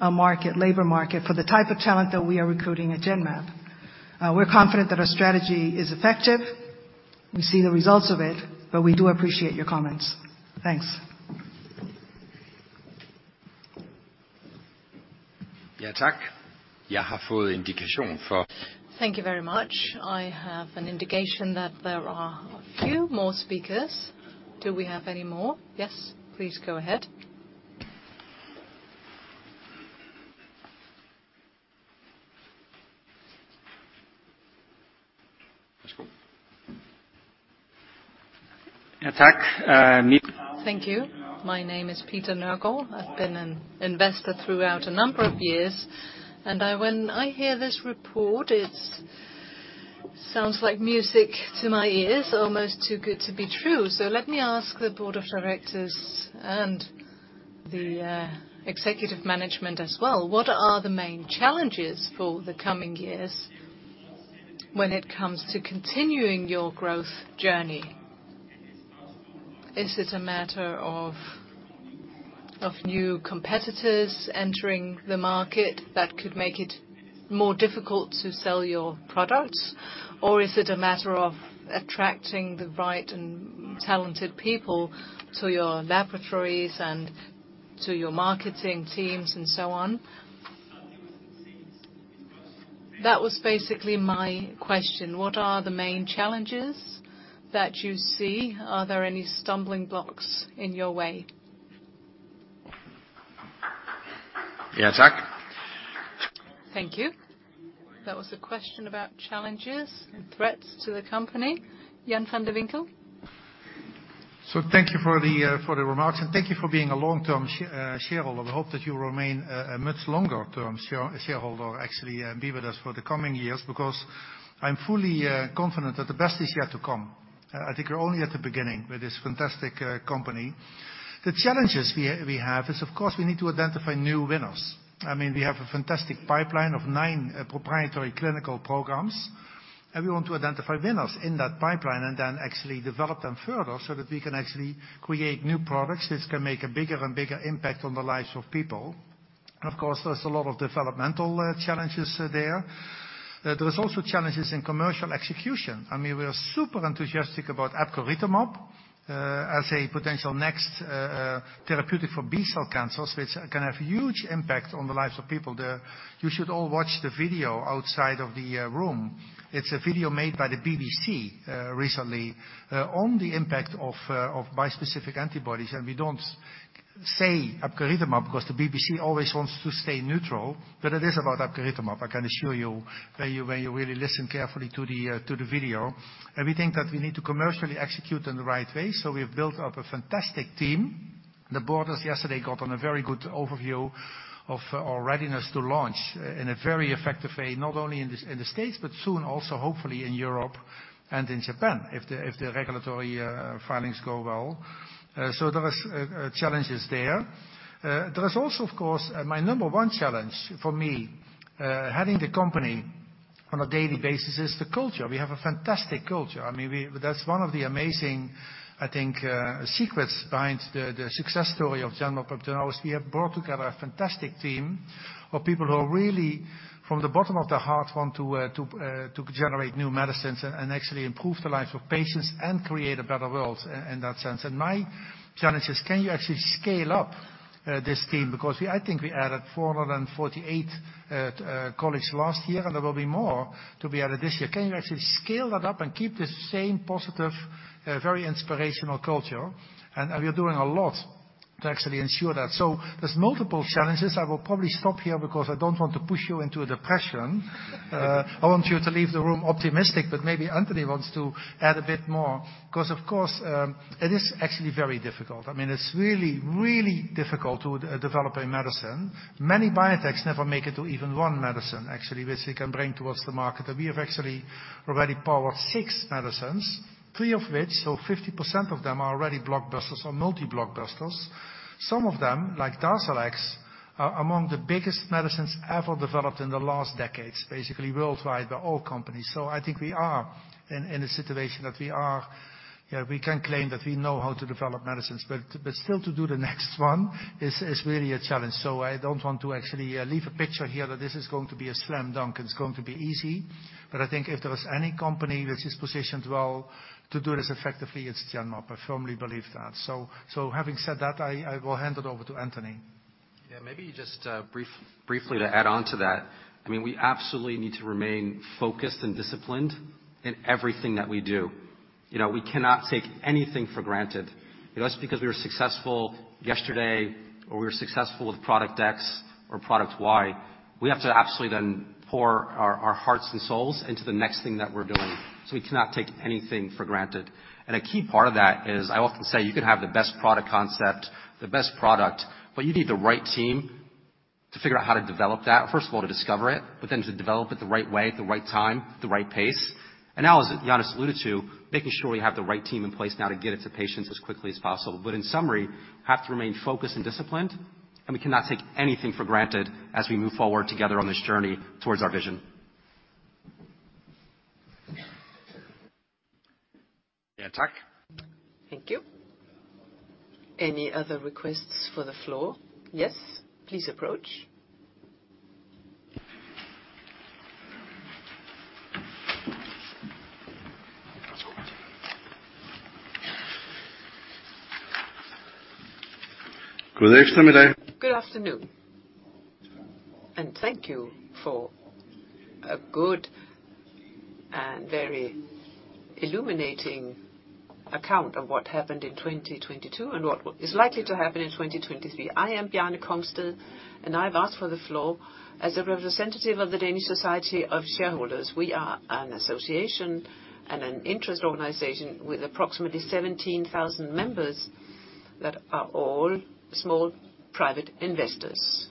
market, labor market for the type of talent that we are recruiting at Genmab. We're confident that our strategy is effective. We see the results of it, but we do appreciate your comments. Thanks. Thank you very much. I have an indication that there are a few more speakers. Do we have any more? Yes, please go ahead. Thank you. My name is Peter Nørgaard. I've been an investor throughout a number of years. When I hear this report, it's. Sounds like music to my ears. Almost too good to be true. Let me ask the board of directors and the executive management as well, what are the main challenges for the coming years when it comes to continuing your growth journey? Is it a matter of new competitors entering the market that could make it more difficult to sell your products? Is it a matter of attracting the right and talented people to your laboratories and to your marketing teams and so on? That was basically my question. What are the main challenges that you see? Are there any stumbling blocks in your way? Thank you. That was a question about challenges and threats to the company. Jan van de Winkel? Thank you for the remarks, and thank you for being a long-term shareholder. We hope that you remain a much longer-term shareholder, actually, and be with us for the coming years, because I'm fully confident that the best is yet to come. I think we're only at the beginning with this fantastic company. The challenges we have is, of course, we need to identify new winners. I mean, we have a fantastic pipeline of nine proprietary clinical programs, and we want to identify winners in that pipeline and then actually develop them further so that we can actually create new products which can make a bigger and bigger impact on the lives of people. Of course, there's a lot of developmental challenges there. There is also challenges in commercial execution. We are super enthusiastic about epcoritamab as a potential next therapeutic for B-cell cancers, which can have huge impact on the lives of people there. You should all watch the video outside of the room. It's a video made by the BBC recently on the impact of bispecific antibodies. We don't say epcoritamab 'cause the BBC always wants to stay neutral, but it is about epcoritamab, I can assure you when you really listen carefully to the video. We think that we need to commercially execute in the right way, so we have built up a fantastic team. The board just yesterday got on a very good overview of our readiness to launch in a very effective way, not only in the States, but soon also hopefully in Europe and in Japan, if the regulatory filings go well. There is challenges there. There is also, of course, my number one challenge for me, heading the company on a daily basis, is the culture. We have a fantastic culture. I mean, That's one of the amazing, I think, secrets behind the success story of Genmab. We have brought together a fantastic team of people who are really from the bottom of their heart want to generate new medicines and actually improve the lives of patients and create a better world in that sense. My challenge is can you actually scale up this team? Because I think we added 448 colleagues last year, and there will be more to be added this year. Can you actually scale that up and keep the same positive, very inspirational culture? We are doing a lot to actually ensure that. There's multiple challenges. I will probably stop here because I don't want to push you into a depression. I want you to leave the room optimistic, but maybe Anthony wants to add a bit more. Because of course, it is actually very difficult. I mean, it's really, really difficult to de-develop a medicine. Many biotechs never make it to even one medicine, actually, which they can bring towards the market. We have actually already powered six medicines, three of which, so 50% of them, are already blockbusters or multi-blockbusters. Some of them, like Darzalex, are among the biggest medicines ever developed in the last decades, basically worldwide by all companies. I think we are in a situation that, you know, we can claim that we know how to develop medicines. Still to do the next one is really a challenge. I don't want to actually leave a picture here that this is going to be a slam dunk and it's going to be easy. I think if there is any company which is positioned well to do this effectively, it's Genmab. I firmly believe that. Having said that, I will hand it over to Anthony. Maybe just briefly to add on to that. I mean, we absolutely need to remain focused and disciplined in everything that we do. You know, we cannot take anything for granted. Just because we were successful yesterday or we were successful with product X or product Y, we have to absolutely then pour our hearts and souls into the next thing that we're doing. We cannot take anything for granted. A key part of that is I often say you can have the best product concept, the best product, but you need the right team to figure how to develop that. First of all, to discover it, but then to develop it the right way, at the right time, at the right pace. Now, as Jan has alluded to, making sure we have the right team in place now to get it to patients as quickly as possible. In summary, have to remain focused and disciplined, and we cannot take anything for granted as we move forward together on this journey towards our vision. Thank you. Any other requests for the floor? Yes, please approach. Good afternoon, thank you for a good and very illuminating account of what happened in 2022 and what is likely to happen in 2023. I am Bjarne Kroman, I've asked for the floor as a representative of the Danish Society of Shareholders. We are an association and an interest organization with approximately 17,000 members that are all small private investors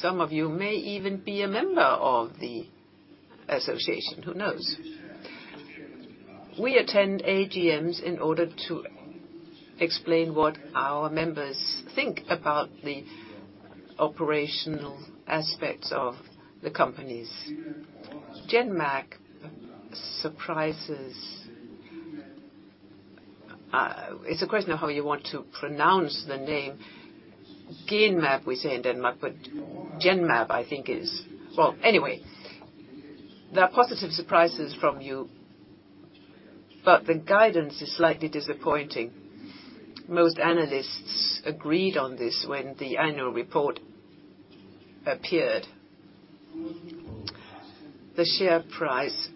Some of you may even be a member of the association, who knows? We attend AGMs in order to explain what our members think about the operational aspects of the companies. Genmab surprises... it's a question of how you want to pronounce the name. Genmab, we say in Denmark, but Genmab I think is... Well, anyway, there are positive surprises from you, but the guidance is slightly disappointing. Most analysts agreed on this when the annual report appeared. The share price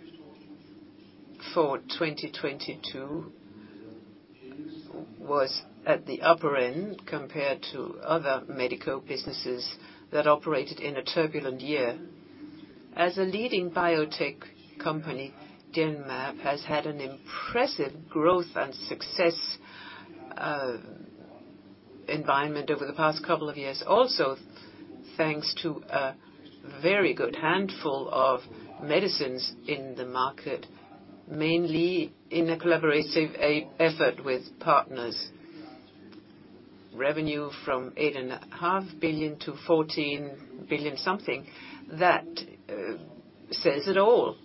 for 2022 was at the upper end compared to other medical businesses that operated in a turbulent year. As a leading biotech company, Genmab has had an impressive growth and success environment over the past couple of years. Also, thanks to a very good handful of medicines in the market, mainly in a collaborative e-effort with partners. Revenue from 8.5 billion to 14 billion something, that says it all.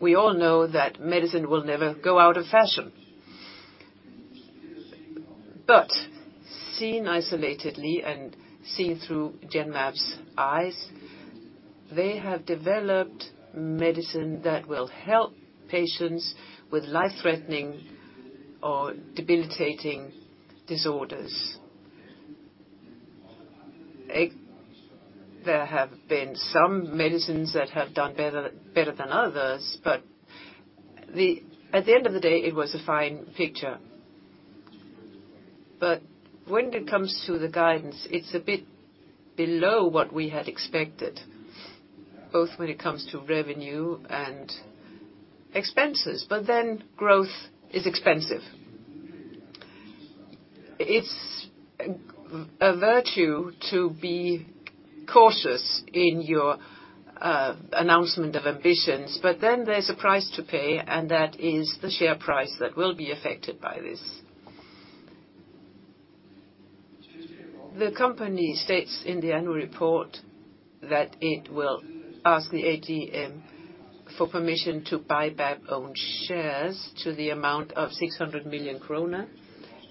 We all know that medicine will never go out of fashion. Seen isolatedly and seen through Genmab's eyes, they have developed medicine that will help patients with life-threatening or debilitating disorders. There have been some medicines that have done better than others. At the end of the day, it was a fine picture. When it comes to the guidance, it's a bit below what we had expected, both when it comes to revenue and expenses. Growth is expensive. It's a virtue to be cautious in your announcement of ambitions. There's a price to pay, and that is the share price that will be affected by this. The company states in the annual report that it will ask the AGM for permission to buy back own shares to the amount of 600 million kroner.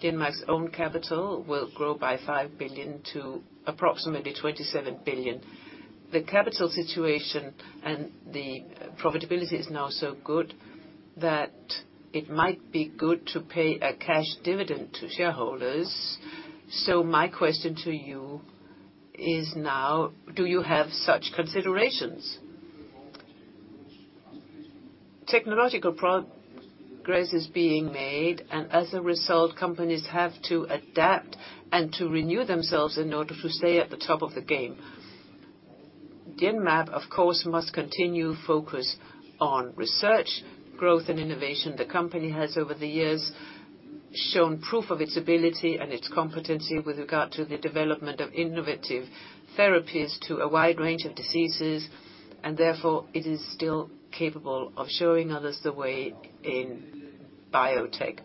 Genmab's own capital will grow by 5 billion to approximately 27 billion. The capital situation and the profitability is now so good that it might be good to pay a cash dividend to shareholders. My question to you is now, do you have such considerations? Technological progress is being made, and as a result, companies have to adapt and to renew themselves in order to stay at the top of the game. Genmab, of course, must continue focus on research, growth, and innovation. The company has, over the years, shown proof of its ability and its competency with regard to the development of innovative therapies to a wide range of diseases, and therefore it is still capable of showing others the way in biotech.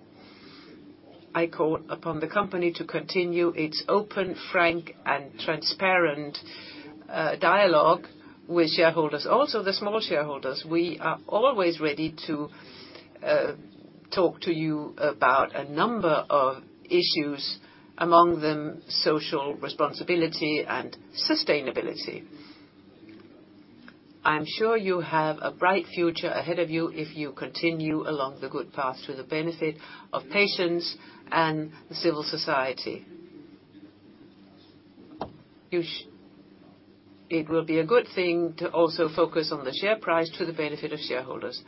I call upon the company to continue its open, frank, and transparent dialogue with shareholders, also the small shareholders. We are always ready to talk to you about a number of issues, among them, social responsibility and sustainability. I am sure you have a bright future ahead of you if you continue along the good path to the benefit of patients and civil society. It will be a good thing to also focus on the share price to the benefit of shareholders.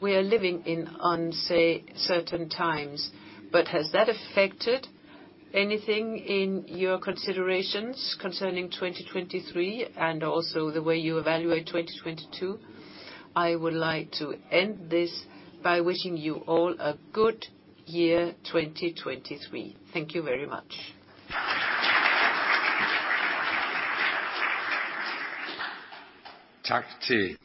We are living in uncertain times. Has that affected anything in your considerations concerning 2023 and also the way you evaluate 2022? I would like to end this by wishing you all a good year, 2023. Thank you very much. Thank you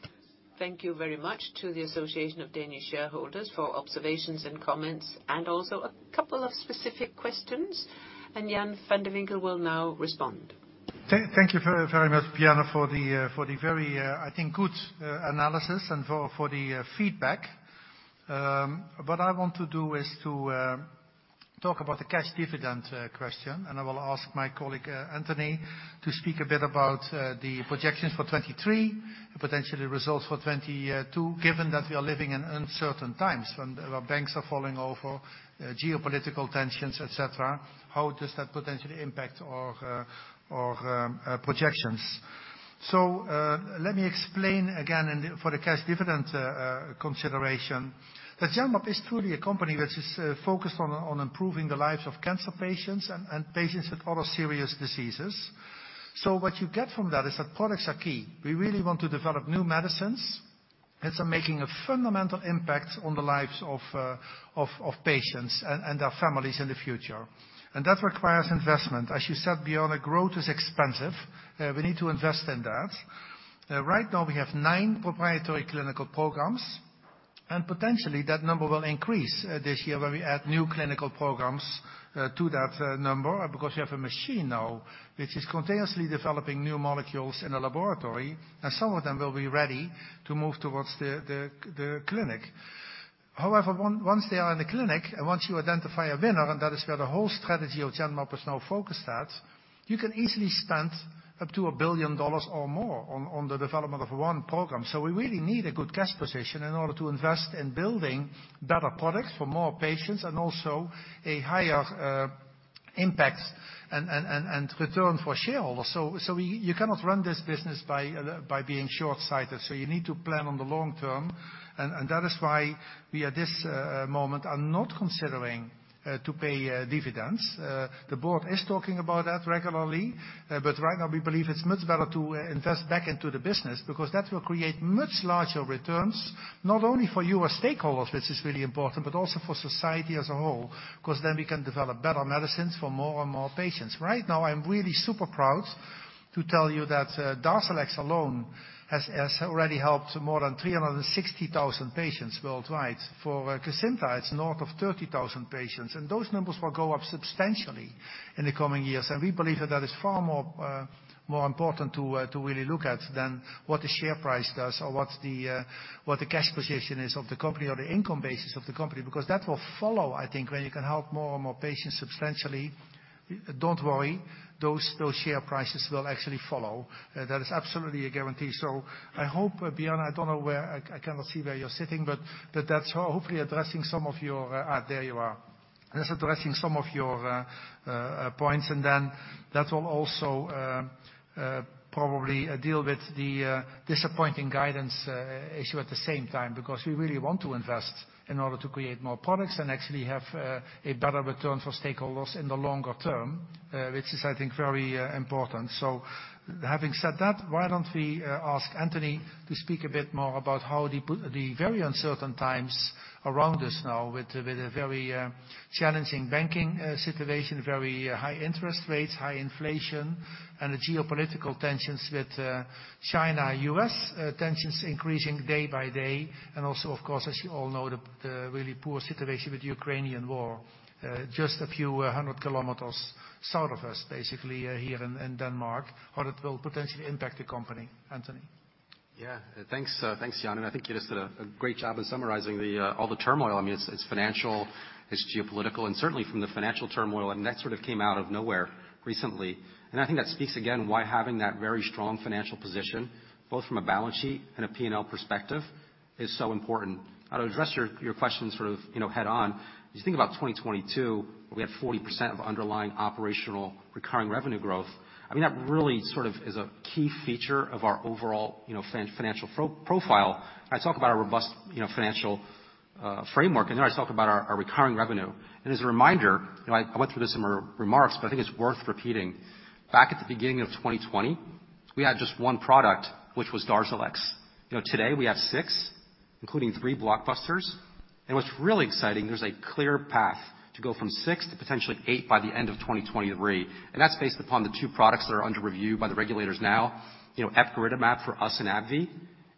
very much to the Association of Danish Shareholders for observations and comments and also a couple of specific questions. Jan van de Winkel will now respond. Thank you very much, Tahamtan Ahmadi, for the very, I think, good analysis and for the feedback. What I want to do is to talk about the cash dividend question, and I will ask my colleague, Anthony Pagano, to speak a bit about the projections for 23 and potentially results for 22, given that we are living in uncertain times when our banks are falling over, geopolitical tensions, et cetera. How does that potentially impact our our projections? Let me explain again and for the cash dividend consideration that Genmab is truly a company which is focused on improving the lives of cancer patients and patients with other serious diseases. What you get from that is that products are key. We really want to develop new medicines that are making a fundamental impact on the lives of patients and their families in the future. That requires investment. As you said, Bjorn, growth is expensive. We need to invest in that. Right now we have nine proprietary clinical programs, potentially that number will increase this year when we add new clinical programs to that number. Because we have a machine now which is continuously developing new molecules in the laboratory, some of them will be ready to move towards the clinic. However, once they are in the clinic, and once you identify a winner, and that is where the whole strategy of Genmab is now focused at, you can easily spend up to $1 billion or more on the development of one program. We really need a good cash position in order to invest in building better products for more patients, and also a higher impact and return for shareholders. You cannot run this business by being short-sighted. You need to plan on the long term. That is why we, at this moment, are not considering to pay dividends. The board is talking about that regularly. But right now we believe it's much better to invest back into the business because that will create much larger returns, not only for you as stakeholders, which is really important, but also for society as a whole, 'cause then we can develop better medicines for more and more patients. Right now, I'm really super proud to tell you that Darzalex alone has already helped more than 360,000 patients worldwide. For KYPROLIS, it's north of 30,000 patients. Those numbers will go up substantially in the coming years. We believe that that is far more important to really look at than what the share price does or what the cash position is of the company or the income basis of the company, because that will follow, I think, when you can help more and more patients substantially. Don't worry, those share prices will actually follow. That is absolutely a guarantee. I hope, Bjorn, I don't know where I cannot see where you're sitting, but that's hopefully addressing some of your... There you are. That's addressing some of your points. That will also probably deal with the disappointing guidance issue at the same time, because we really want to invest in order to create more products and actually have a better return for stakeholders in the longer term, which is, I think, very important. Having said that, why don't we ask Anthony to speak a bit more about how the very uncertain times around us now with a very challenging banking situation, very high interest rates, high inflation, and the geopolitical tensions with China, U.S. tensions increasing day by day. Of course, as you all know, the really poor situation with the Ukrainian War, just a few hundred kilometers south of us, basically, here in Denmark, how that will potentially impact the company. Anthony. Yeah. Thanks, thanks, Jan. I think you just did a great job in summarizing all the turmoil. I mean, it's financial, it's geopolitical, and certainly from the financial turmoil, that sort of came out of nowhere recently. I think that speaks again why having that very strong financial position, both from a balance sheet and a P&L perspective, is so important. To address your question sort of, you know, head on, you think about 2022, we had 40% of underlying operational recurring revenue growth. I mean, that really sort of is a key feature of our overall, you know, financial profile. I talk about our robust, you know, financial framework, and then I talk about our recurring revenue. As a reminder, you know, I went through this in my remarks, but I think it's worth repeating. Back at the beginning of 2020, we had just one product, which was Darzalex. You know, today we have six, including three blockbusters. What's really exciting, there's a clear path to go from six to potentially eight by the end of 2023, and that's based upon the two products that are under review by the regulators now. You know, epcoritamab for us and AbbVie,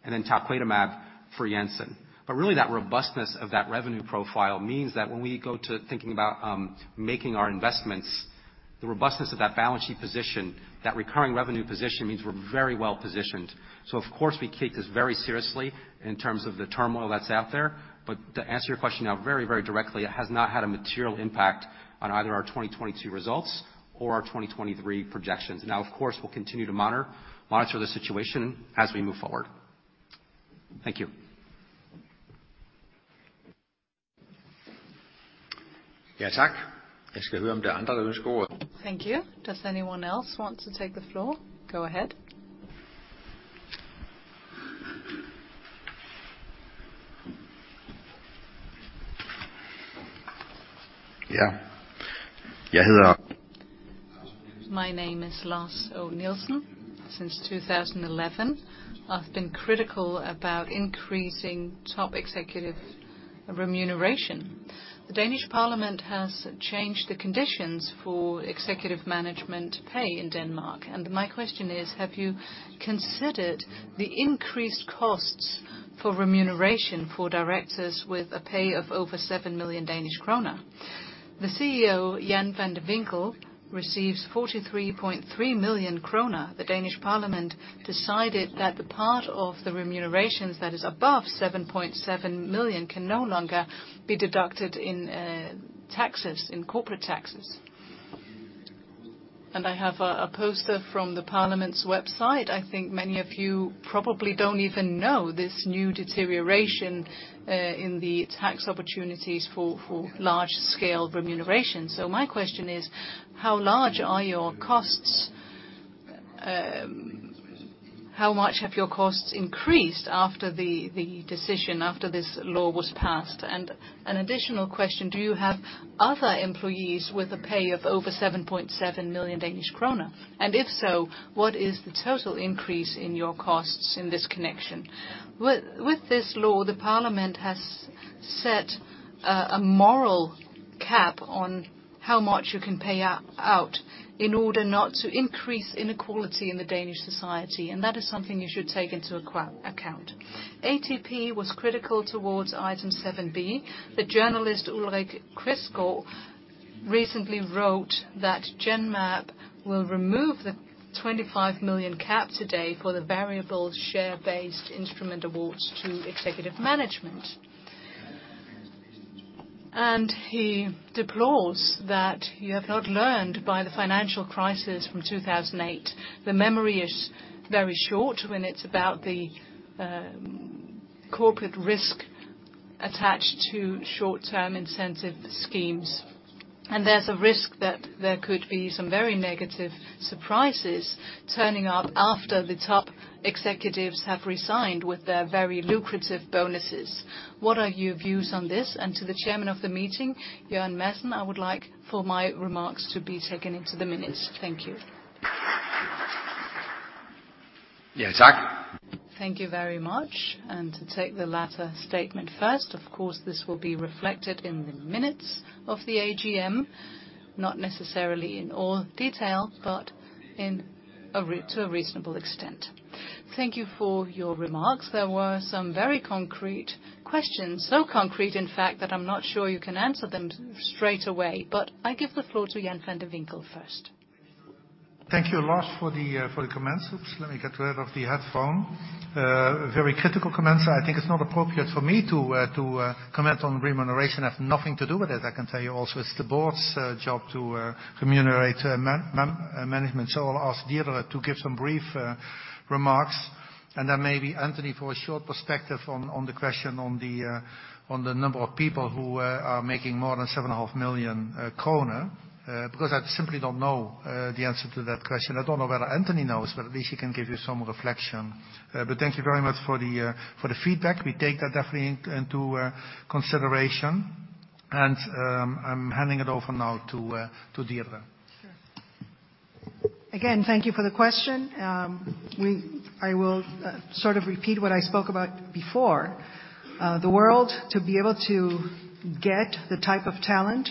and then talquetamab for Janssen. Really that robustness of that revenue profile means that when we go to thinking about making our investments, the robustness of that balance sheet position, that recurring revenue position means we're very well positioned. Of course we take this very seriously in terms of the turmoil that's out there. To answer your question now very, very directly, it has not had a material impact on either our 2022 results or our 2023 projections. Of course, we'll continue to monitor the situation as we move forward. Thank you. Thank you. Does anyone else want to take the floor? Go ahead. Yeah. My name is Lars O. Nielsen. Since 2011, I've been critical about increasing top executive remuneration. The Danish Parliament has changed the conditions for executive management pay in Denmark. My question is, have you considered the increased costs for remuneration for directors with a pay of over 7 million Danish kroner? The CEO, Jan van de Winkel, receives 43.3 million kroner. The Danish Parliament decided that the part of the remunerations that is above 7.7 million DKK can no longer be deducted in taxes, in corporate taxes. I have a poster from the Parliament's website. I think many of you probably don't even know this new deterioration in the tax opportunities for large scale remuneration. My question is, how large are your costs? How much have your costs increased after the decision, after this law was passed? An additional question, do you have other employees with a pay of over 7.7 million Danish kroner? If so, what is the total increase in your costs in this connection? With this law, the parliament has set a moral cap on how much you can pay out in order not to increase inequality in the Danish society, and that is something you should take into account. ATP was critical towards item 7B. The journalist Ulrik Kristoff recently wrote that Genmab will remove the 25 million cap today for the variable share-based instrument awards to executive management. He deplores that you have not learned by the financial crisis from 2008. The memory is very short when it's about the corporate risk attached to short-term incentive schemes. There's a risk that there could be some very negative surprises turning up after the top executives have resigned with their very lucrative bonuses. What are your views on this? To the chairman of the meeting, Jørgen Madsen, I would like for my remarks to be taken into the minutes. Thank you. Thank you very much. To take the latter statement first, of course, this will be reflected in the minutes of the AGM. Not necessarily in all detail, but to a reasonable extent. Thank you for your remarks. There were some very concrete questions. Concrete, in fact, that I'm not sure you can answer them straight away. I give the floor to Jan van de Winkel first. Thank you a lot for the comments. Oops, let me get rid of the headphone. Very critical comments. I think it's not appropriate for me to comment on remuneration. I have nothing to do with it, as I can tell you also. It's the board's job to remunerate management. I'll ask Deirdre to give some brief remarks, and then maybe Anthony for a short perspective on the question on the number of people who are making more than 7.5 million kroner. Because I simply don't know the answer to that question. I don't know whether Anthony knows, but at least he can give you some reflection. Thank you very much for the feedback. We take that definitely into consideration. I'm handing it over now to Deirdre. Sure. Again, thank you for the question. I will sort of repeat what I spoke about before. The world to be able to get the type of talent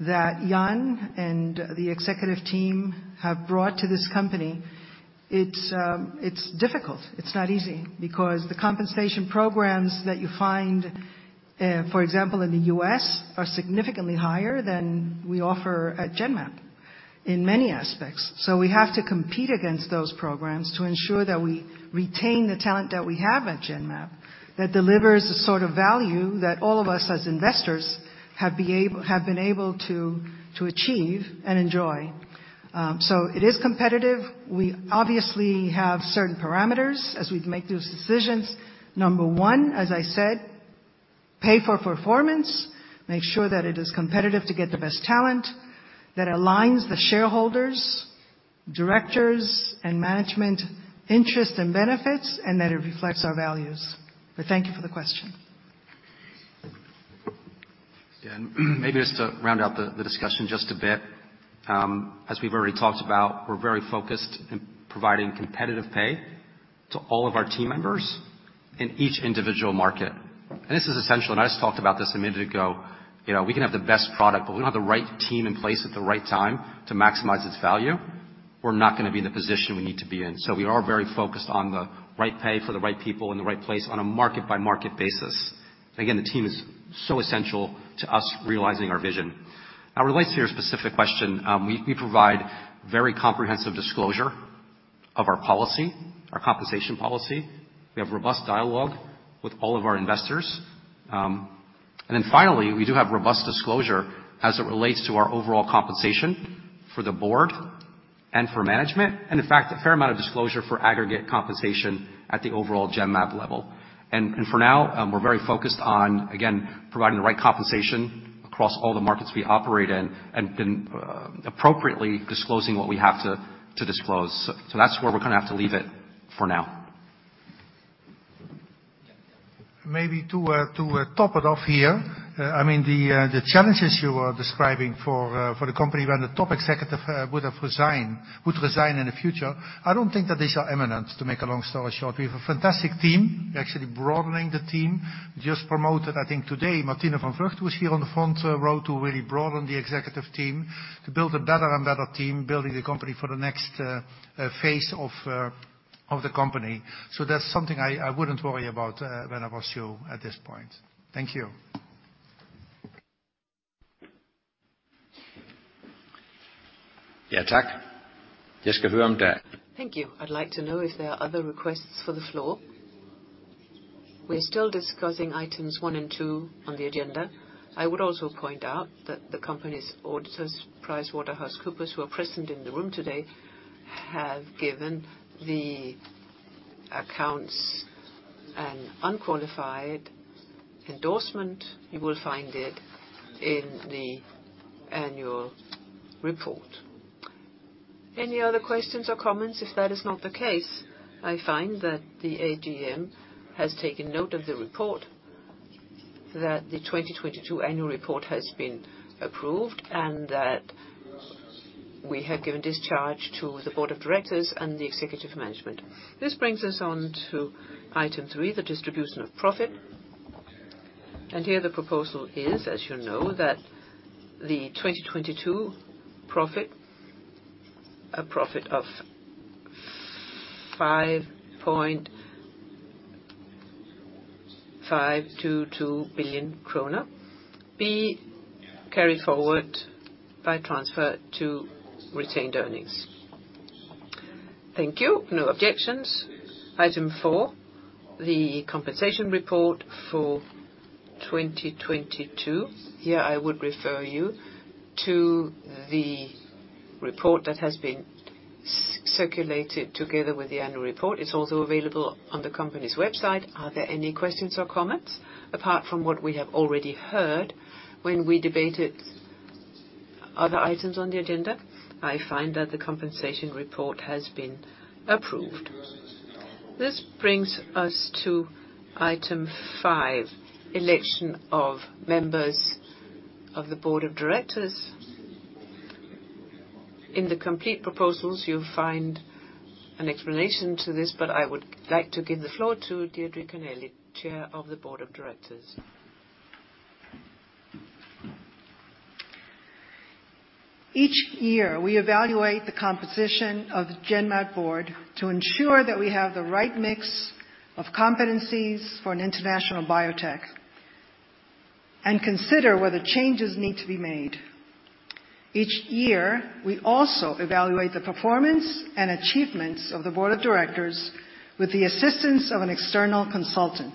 that Jan and the executive team have brought to this company, it's difficult. It's not easy, because the compensation programs that you find, for example, in the U.S., are significantly higher than we offer at Genmab in many aspects. We have to compete against those programs to ensure that we retain the talent that we have at Genmab, that delivers the sort of value that all of us as investors have been able to achieve and enjoy. It is competitive. We obviously have certain parameters as we make those decisions. Number one, as I said, pay for performance. Make sure that it is competitive to get the best talent. That aligns the shareholders, directors, and management interests and benefits, and that it reflects our values. Thank you for the question. Yeah. Maybe just to round out the discussion just a bit. As we've already talked about, we're very focused in providing competitive pay to all of our team members in each individual market. This is essential, and I just talked about this a minute ago. You know, we can have the best product, but if we don't have the right team in place at the right time to maximize its value, we're not gonna be in the position we need to be in. We are very focused on the right pay for the right people in the right place on a market-by-market basis. Again, the team is so essential to us realizing our vision. Relates to your specific question, we provide very comprehensive disclosure of our policy, our compensation policy. We have robust dialogue with all of our investors. Then finally, we do have robust disclosure as it relates to our overall compensation for the board and for management, and in fact, a fair amount of disclosure for aggregate compensation at the overall Genmab level. For now, we're very focused on, again, providing the right compensation across all the markets we operate in and then, appropriately disclosing what we have to disclose. That's where we're gonna have to leave it for now. Maybe to top it off here. I mean, the challenges you are describing for the company when the top executive would resign in the future, I don't think that these are imminent, to make a long story short. We have a fantastic team. We're actually broadening the team. Just promoted, I think today, Martine van Vugt was here on the front row to really broaden the executive team to build a better and better team, building the company for the next phase of the company. That's something I wouldn't worry about when I was you at this point. Thank you. Thank you. I'd like to know if there are other requests for the floor. We're still discussing items one and two on the agenda. I would also point out that the company's auditors, PricewaterhouseCoopers, who are present in the room today, have given the accounts An unqualified endorsement, you will find it in the annual report. Any other questions or comments? If that is not the case, I find that the AGM has taken note of the report that the 2022 annual report has been approved and that we have given discharge to the Board of Directors and the Executive Management. This brings us on to item three, the distribution of profit. Here the proposal is, as you know, that the 2022 profit, a profit of 5.522 billion krone be carried forward by transfer to retained earnings. Thank you. No objections. Item four, the compensation report for 2022. Here I would refer you to the report that has been circulated together with the annual report. It's also available on the company's website. Are there any questions or comments apart from what we have already heard when we debated other items on the agenda? I find that the compensation report has been approved. This brings us to item 5, election of members of the board of directors. In the complete proposals, you'll find an explanation to this, but I would like to give the floor to Deirdre P. Connelly, Chair of the Board of Directors. Each year, we evaluate the composition of the Genmab board to ensure that we have the right mix of competencies for an international biotech and consider whether changes need to be made. Each year, we also evaluate the performance and achievements of the board of directors with the assistance of an external consultant.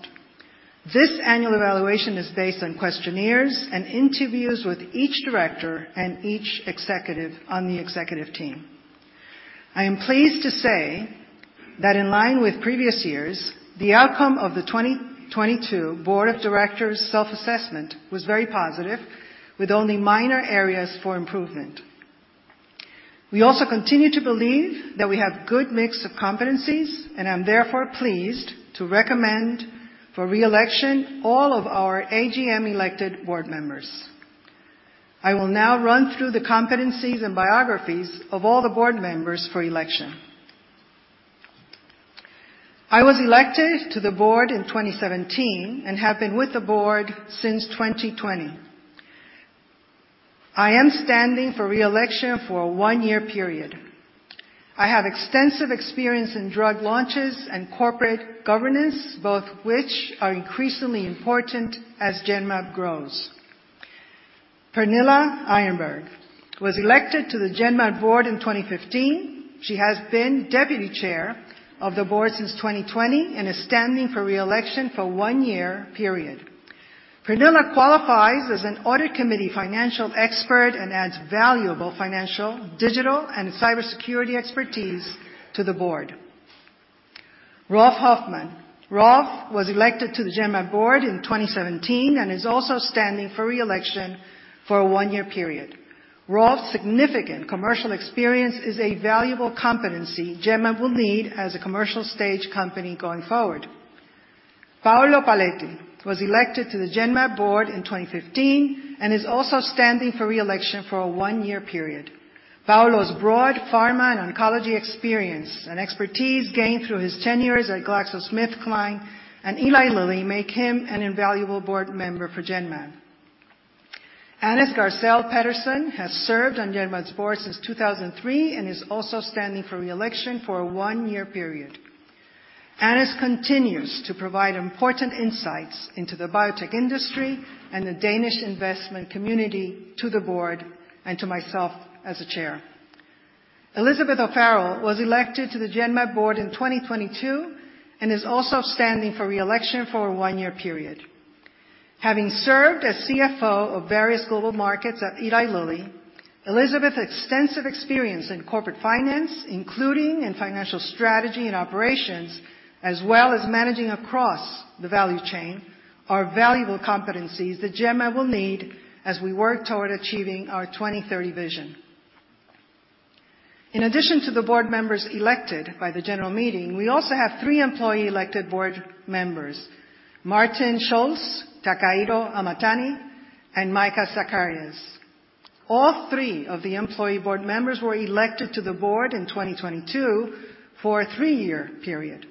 This annual evaluation is based on questionnaires and interviews with each director and each executive on the executive team. I am pleased to say that in line with previous years, the outcome of the 2022 board of directors self-assessment was very positive, with only minor areas for improvement. We also continue to believe that we have good mix of competencies, and I'm therefore pleased to recommend for re-election all of our AGM-elected board members. I will now run through the competencies and biographies of all the board members for election. I was elected to the board in 2017 and have been with the board since 2020. I am standing for re-election for a one-year period. I have extensive experience in drug launches and corporate governance, both which are increasingly important as Genmab grows. Pernille Erenbjerg was elected to the Genmab board in 2015. She has been deputy chair of the board since 2020 and is standing for re-election for one-year period. Pernille qualifies as an audit committee financial expert and adds valuable financial, digital, and cybersecurity expertise to the board. Rolf Hoffmann. Rolf was elected to the Genmab board in 2017 and is also standing for re-election for a one-year period. Rolf's significant commercial experience is a valuable competency Genmab will need as a commercial stage company going forward. Paolo Paoletti was elected to the Genmab board in 2015 and is also standing for re-election for a one-year period. Paolo's broad pharma and oncology experience and expertise gained through his tenures at GlaxoSmithKline and Eli Lilly make him an invaluable board member for Genmab. Anders Gersel Pedersen has served on Genmab's board since 2003 and is also standing for re-election for a one-year period. Anders continues to provide important insights into the biotech industry and the Danish investment community to the board and to myself as a chair. Elizabeth O'Farrell was elected to the Genmab board in 2022 and is also standing for re-election for a one-year period. Having served as CFO of various global markets at Eli Lilly, Elizabeth's extensive experience in corporate finance, including in financial strategy and operations, as well as managing across the value chain, are valuable competencies that Genmab will need as we work toward achieving our 2030 vision. In addition to the board members elected by the general meeting, we also have three employee-elected board members, Martin Schulze, Takahiro Hamatani, and Mijke Zachariasse. All three of the employee board members were elected to the board in 2022 for a three-year period.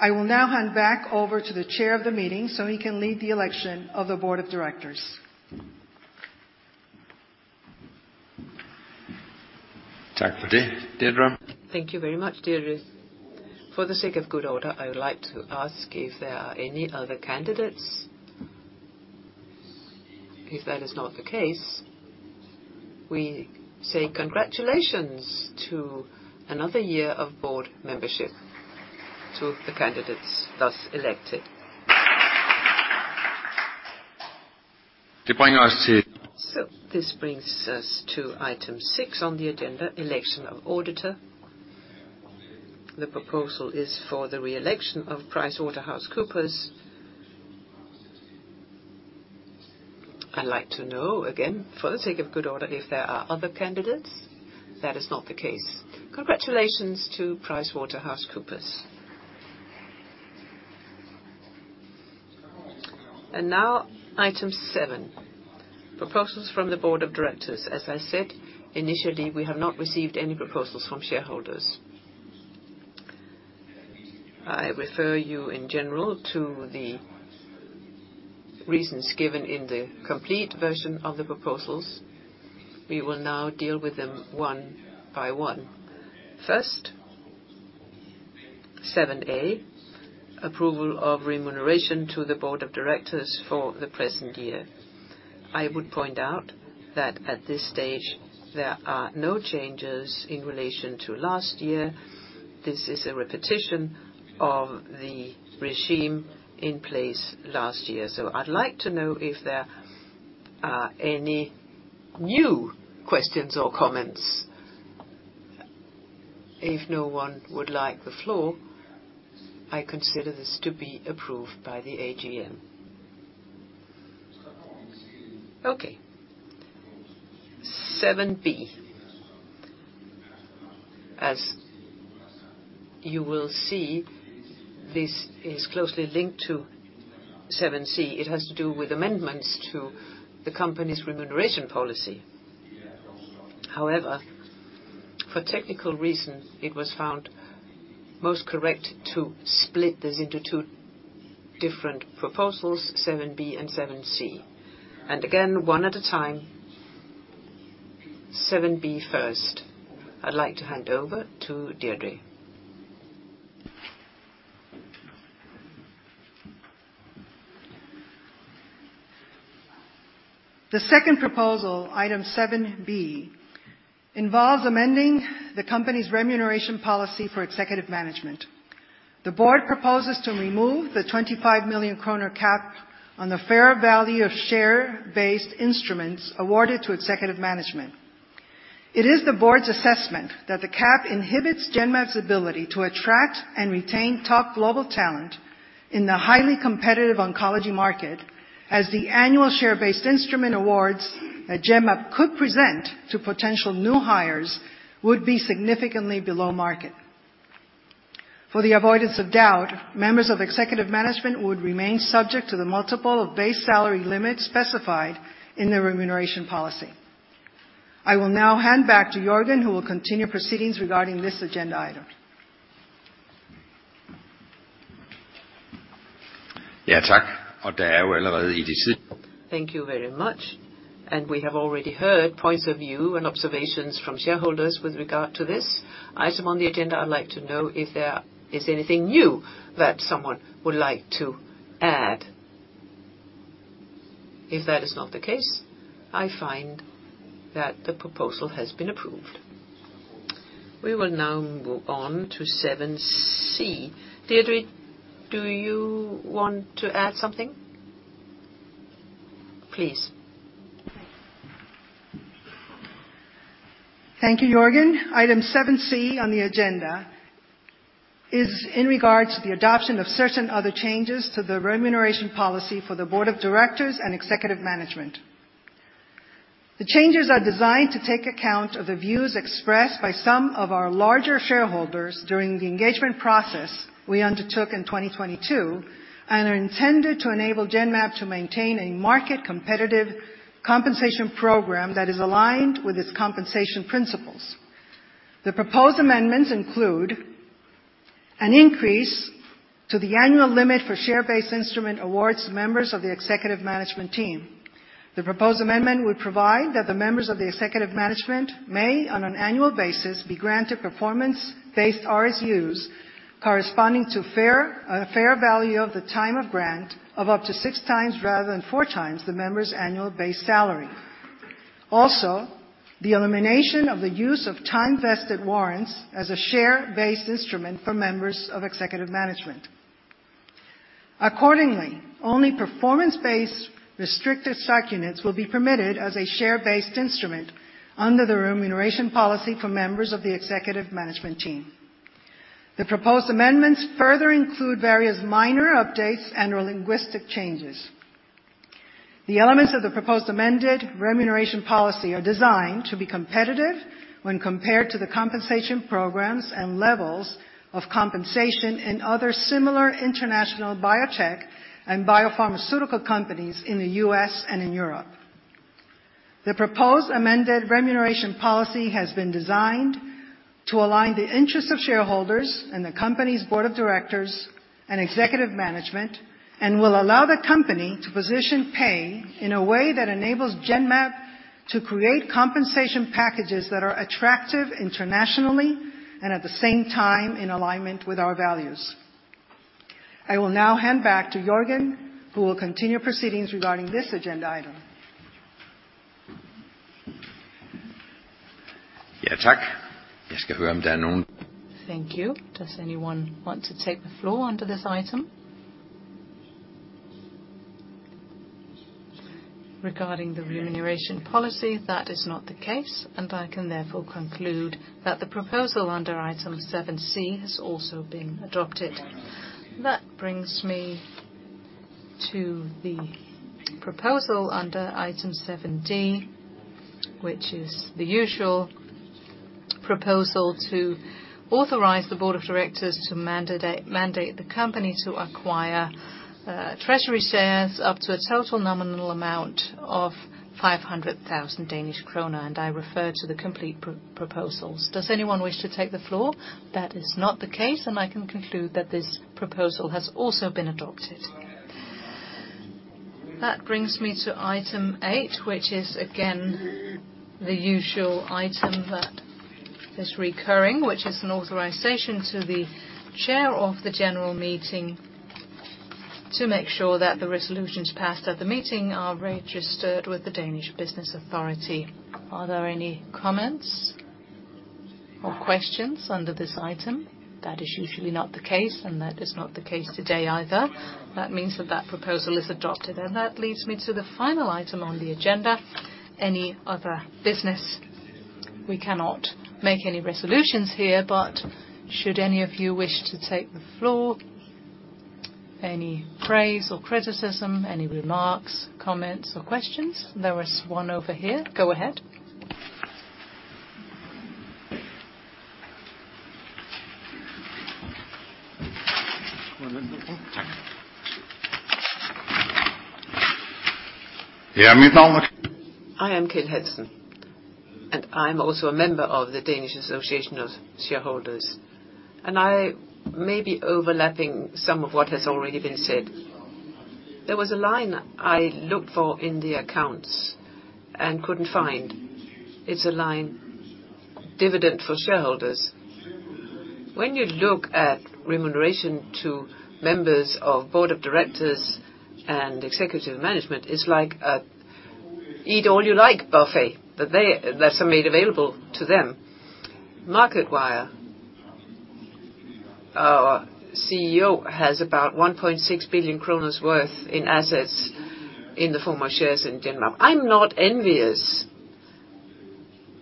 I will now hand back over to the chair of the meeting so he can lead the election of the board of directors. Thank you very much, Deirdre. For the sake of good order, I would like to ask if there are any other candidates. If that is not the case, we say congratulations to another year of board membership to the candidates thus elected. This brings us to item 6 on the agenda, election of auditor. The proposal is for the re-election of PricewaterhouseCoopers. I'd like to know, again, for the sake of good order, if there are other candidates. That is not the case. Congratulations to PricewaterhouseCoopers. Now item seven, proposals from the Board of Directors. As I said initially, we have not received any proposals from shareholders. I refer you in general to the reasons given in the complete version of the proposals. We will now deal with them one by one. First, 7A, approval of remuneration to the Board of Directors for the present year. I would point out that at this stage, there are no changes in relation to last year. This is a repetition of the regime in place last year. I'd like to know if there are any new questions or comments. If no one would like the floor, I consider this to be approved by the AGM. Okay. 7B. As you will see, this is closely linked to 7C. It has to do with amendments to the company's remuneration policy. However, for technical reasons, it was found most correct to split this into two different proposals, 7B and 7C. Again, one at a time, 7B first. I'd like to hand over to Deirdre. The second proposal, item 7B, involves amending the company's remuneration policy for executive management. The Board proposes to remove the 25 million kroner cap on the fair value of share-based instruments awarded to executive management. It is the Board's assessment that the cap inhibits Genmab's ability to attract and retain top global talent in the highly competitive oncology market, as the annual share-based instrument awards that Genmab could present to potential new hires would be significantly below market. For the avoidance of doubt, members of executive management would remain subject to the multiple of base salary limits specified in their remuneration policy. I will now hand back to Jørgen, who will continue proceedings regarding this agenda item. Thank you very much. We have already heard points of view and observations from shareholders with regard to this item on the agenda. I'd like to know if there is anything new that someone would like to add. If that is not the case, I find that the proposal has been approved. We will now move on to 7C. Deirdre, do you want to add something? Please. Thank you, Jørgen. Item 7C on the agenda is in regard to the adoption of certain other changes to the remuneration policy for the board of directors and executive management. The changes are designed to take account of the views expressed by some of our larger shareholders during the engagement process we undertook in 2022 and are intended to enable Genmab to maintain a market competitive compensation program that is aligned with its compensation principles. The proposed amendments include an increase to the annual limit for share-based instrument awards members of the executive management team. The proposed amendment would provide that the members of the executive management may, on an annual basis, be granted performance-based RSUs corresponding to fair value of the time of grant of up to 6x rather than 4x the member's annual base salary. The elimination of the use of time-vested warrants as a share-based instrument for members of executive management. Accordingly, only performance-based restricted stock units will be permitted as a share-based instrument under the remuneration policy for members of the executive management team. The proposed amendments further include various minor updates and linguistic changes. The elements of the proposed amended remuneration policy are designed to be competitive when compared to the compensation programs and levels of compensation in other similar international biotech and biopharmaceutical companies in the US and in Europe. The proposed amended remuneration policy has been designed to align the interest of shareholders and the company's board of directors and executive management and will allow the company to position pay in a way that enables Genmab to create compensation packages that are attractive internationally and at the same time in alignment with our values. I will now hand back to Jørgen, who will continue proceedings regarding this agenda item. Tak. Jeg skal høre, om der er nogen. Thank you. Does anyone want to take the floor under this item? Regarding the remuneration policy, that is not the case, and I can therefore conclude that the proposal under item 7 C has also been adopted. That brings me to the proposal under item 7 D, which is the usual proposal to authorize the Board of Directors to mandate the company to acquire treasury shares up to a total nominal amount of 500,000 Danish kroner. I refer to the complete proposals. Does anyone wish to take the floor? That is not the case, and I can conclude that this proposal has also been adopted. That brings me to item eight, which is again the usual item that is recurring, which is an authorization to the chair of the general meeting to make sure that the resolutions passed at the meeting are registered with the Danish Business Authority. Are there any comments or questions under this item? That is usually not the case, and that is not the case today either. That means that that proposal is adopted and that leads me to the final item on the agenda. Any other business? We cannot make any resolutions here, but should any of you wish to take the floor, any praise or criticism, any remarks, comments or questions? There is one over here. Go ahead. I am Kate Hudson. I'm also a member of the Danish Shareholders Association. I may be overlapping some of what has already been said. There was a line I looked for in the accounts and couldn't find. It's a line: dividend for shareholders. When you look at remuneration to members of board of directors and executive management, it's like a eat all you like buffet, that they, that's made available to them. Jan van de Winkel, our CEO, has about 1.6 billion kroner worth in assets in the form of shares in Genmab. I'm not envious.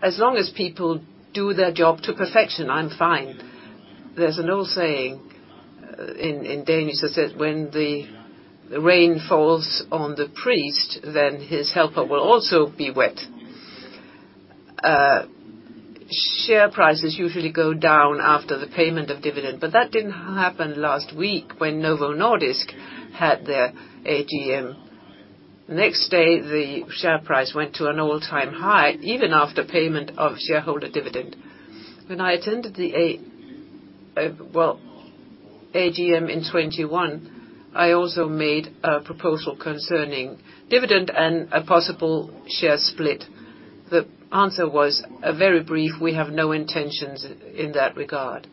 As long as people do their job to perfection, I'm fine. There's an old saying in Danish that says, "When the rain falls on the priest, then his helper will also be wet." Share prices usually go down after the payment of dividend, that didn't happen last week when Novo Nordisk had their AGM. Next day, the share price went to an all-time high even after payment of shareholder dividend. When I attended the AGM in 21, I also made a proposal concerning dividend and a possible share split. The answer was a very brief, "We have no intentions in that regard."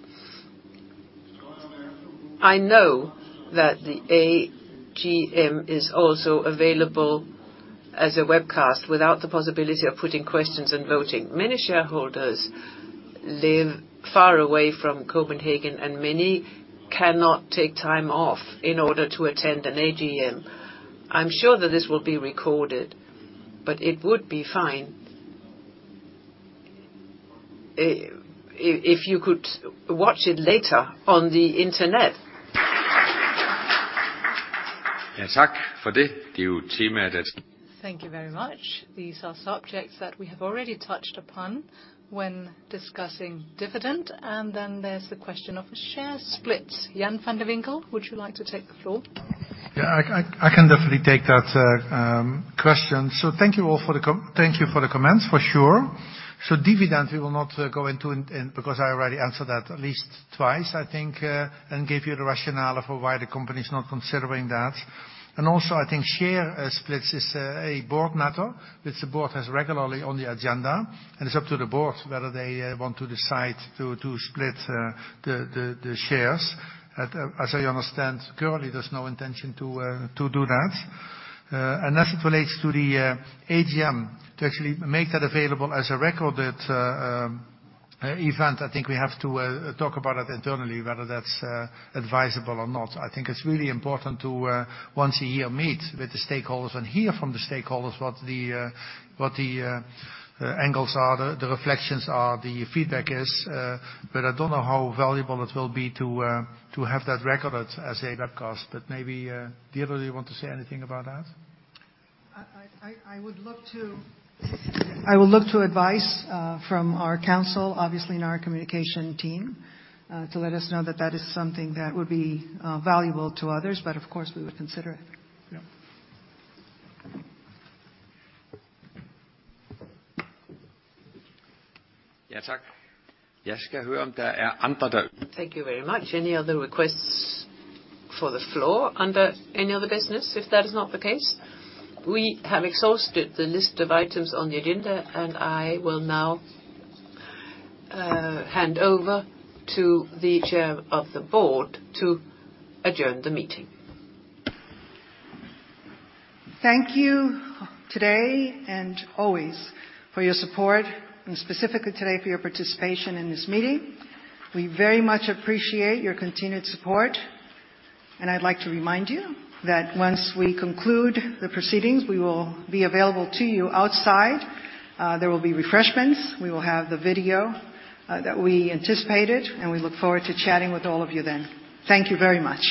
I know that the AGM is also available as a webcast without the possibility of putting questions and voting. Many shareholders live far away from Copenhagen, many cannot take time off in order to attend an AGM. I'm sure that this will be recorded, but it would be fine, if you could watch it later on the internet. [Ja, tak for det. Det er jo et tema, der] Thank you very much. These are subjects that we have already touched upon when discussing dividend. There's the question of a share split. Jan van de Winkel, would you like to take the floor? I can definitely take that question. Thank you all for the comments for sure. Dividend, we will not go into because I already answered that at least twice, I think, and give you the rationale for why the company is not considering that. I think share splits is a board matter which the board has regularly on the agenda, and it's up to the board whether they want to decide to split the shares. As I understand currently, there's no intention to do that. As it relates to the AGM, to actually make that available as a recorded event, I think we have to talk about it internally, whether that's advisable or not. I think it's really important to once a year meet with the stakeholders and hear from the stakeholders what the angles are, the reflections are, the feedback is. I don't know how valuable it will be to have that recorded as a webcast. Maybe, Deborah, you want to say anything about that? I will look to advice from our council, obviously, and our communication team to let us know that that is something that would be valuable to others, but of course, we would consider it. Yeah. [Ja, tak. Jeg skal høre, om der er andre.] Thank you very much. Any other requests for the floor under any other business? If that is not the case, we have exhausted the list of items on the agenda, and I will now hand over to the chair of the board to adjourn the meeting. Thank you today and always for your support, and specifically today for your participation in this meeting. We very much appreciate your continued support, and I'd like to remind you that once we conclude the proceedings, we will be available to you outside. There will be refreshments. We will have the video that we anticipated, and we look forward to chatting with all of you then. Thank you very much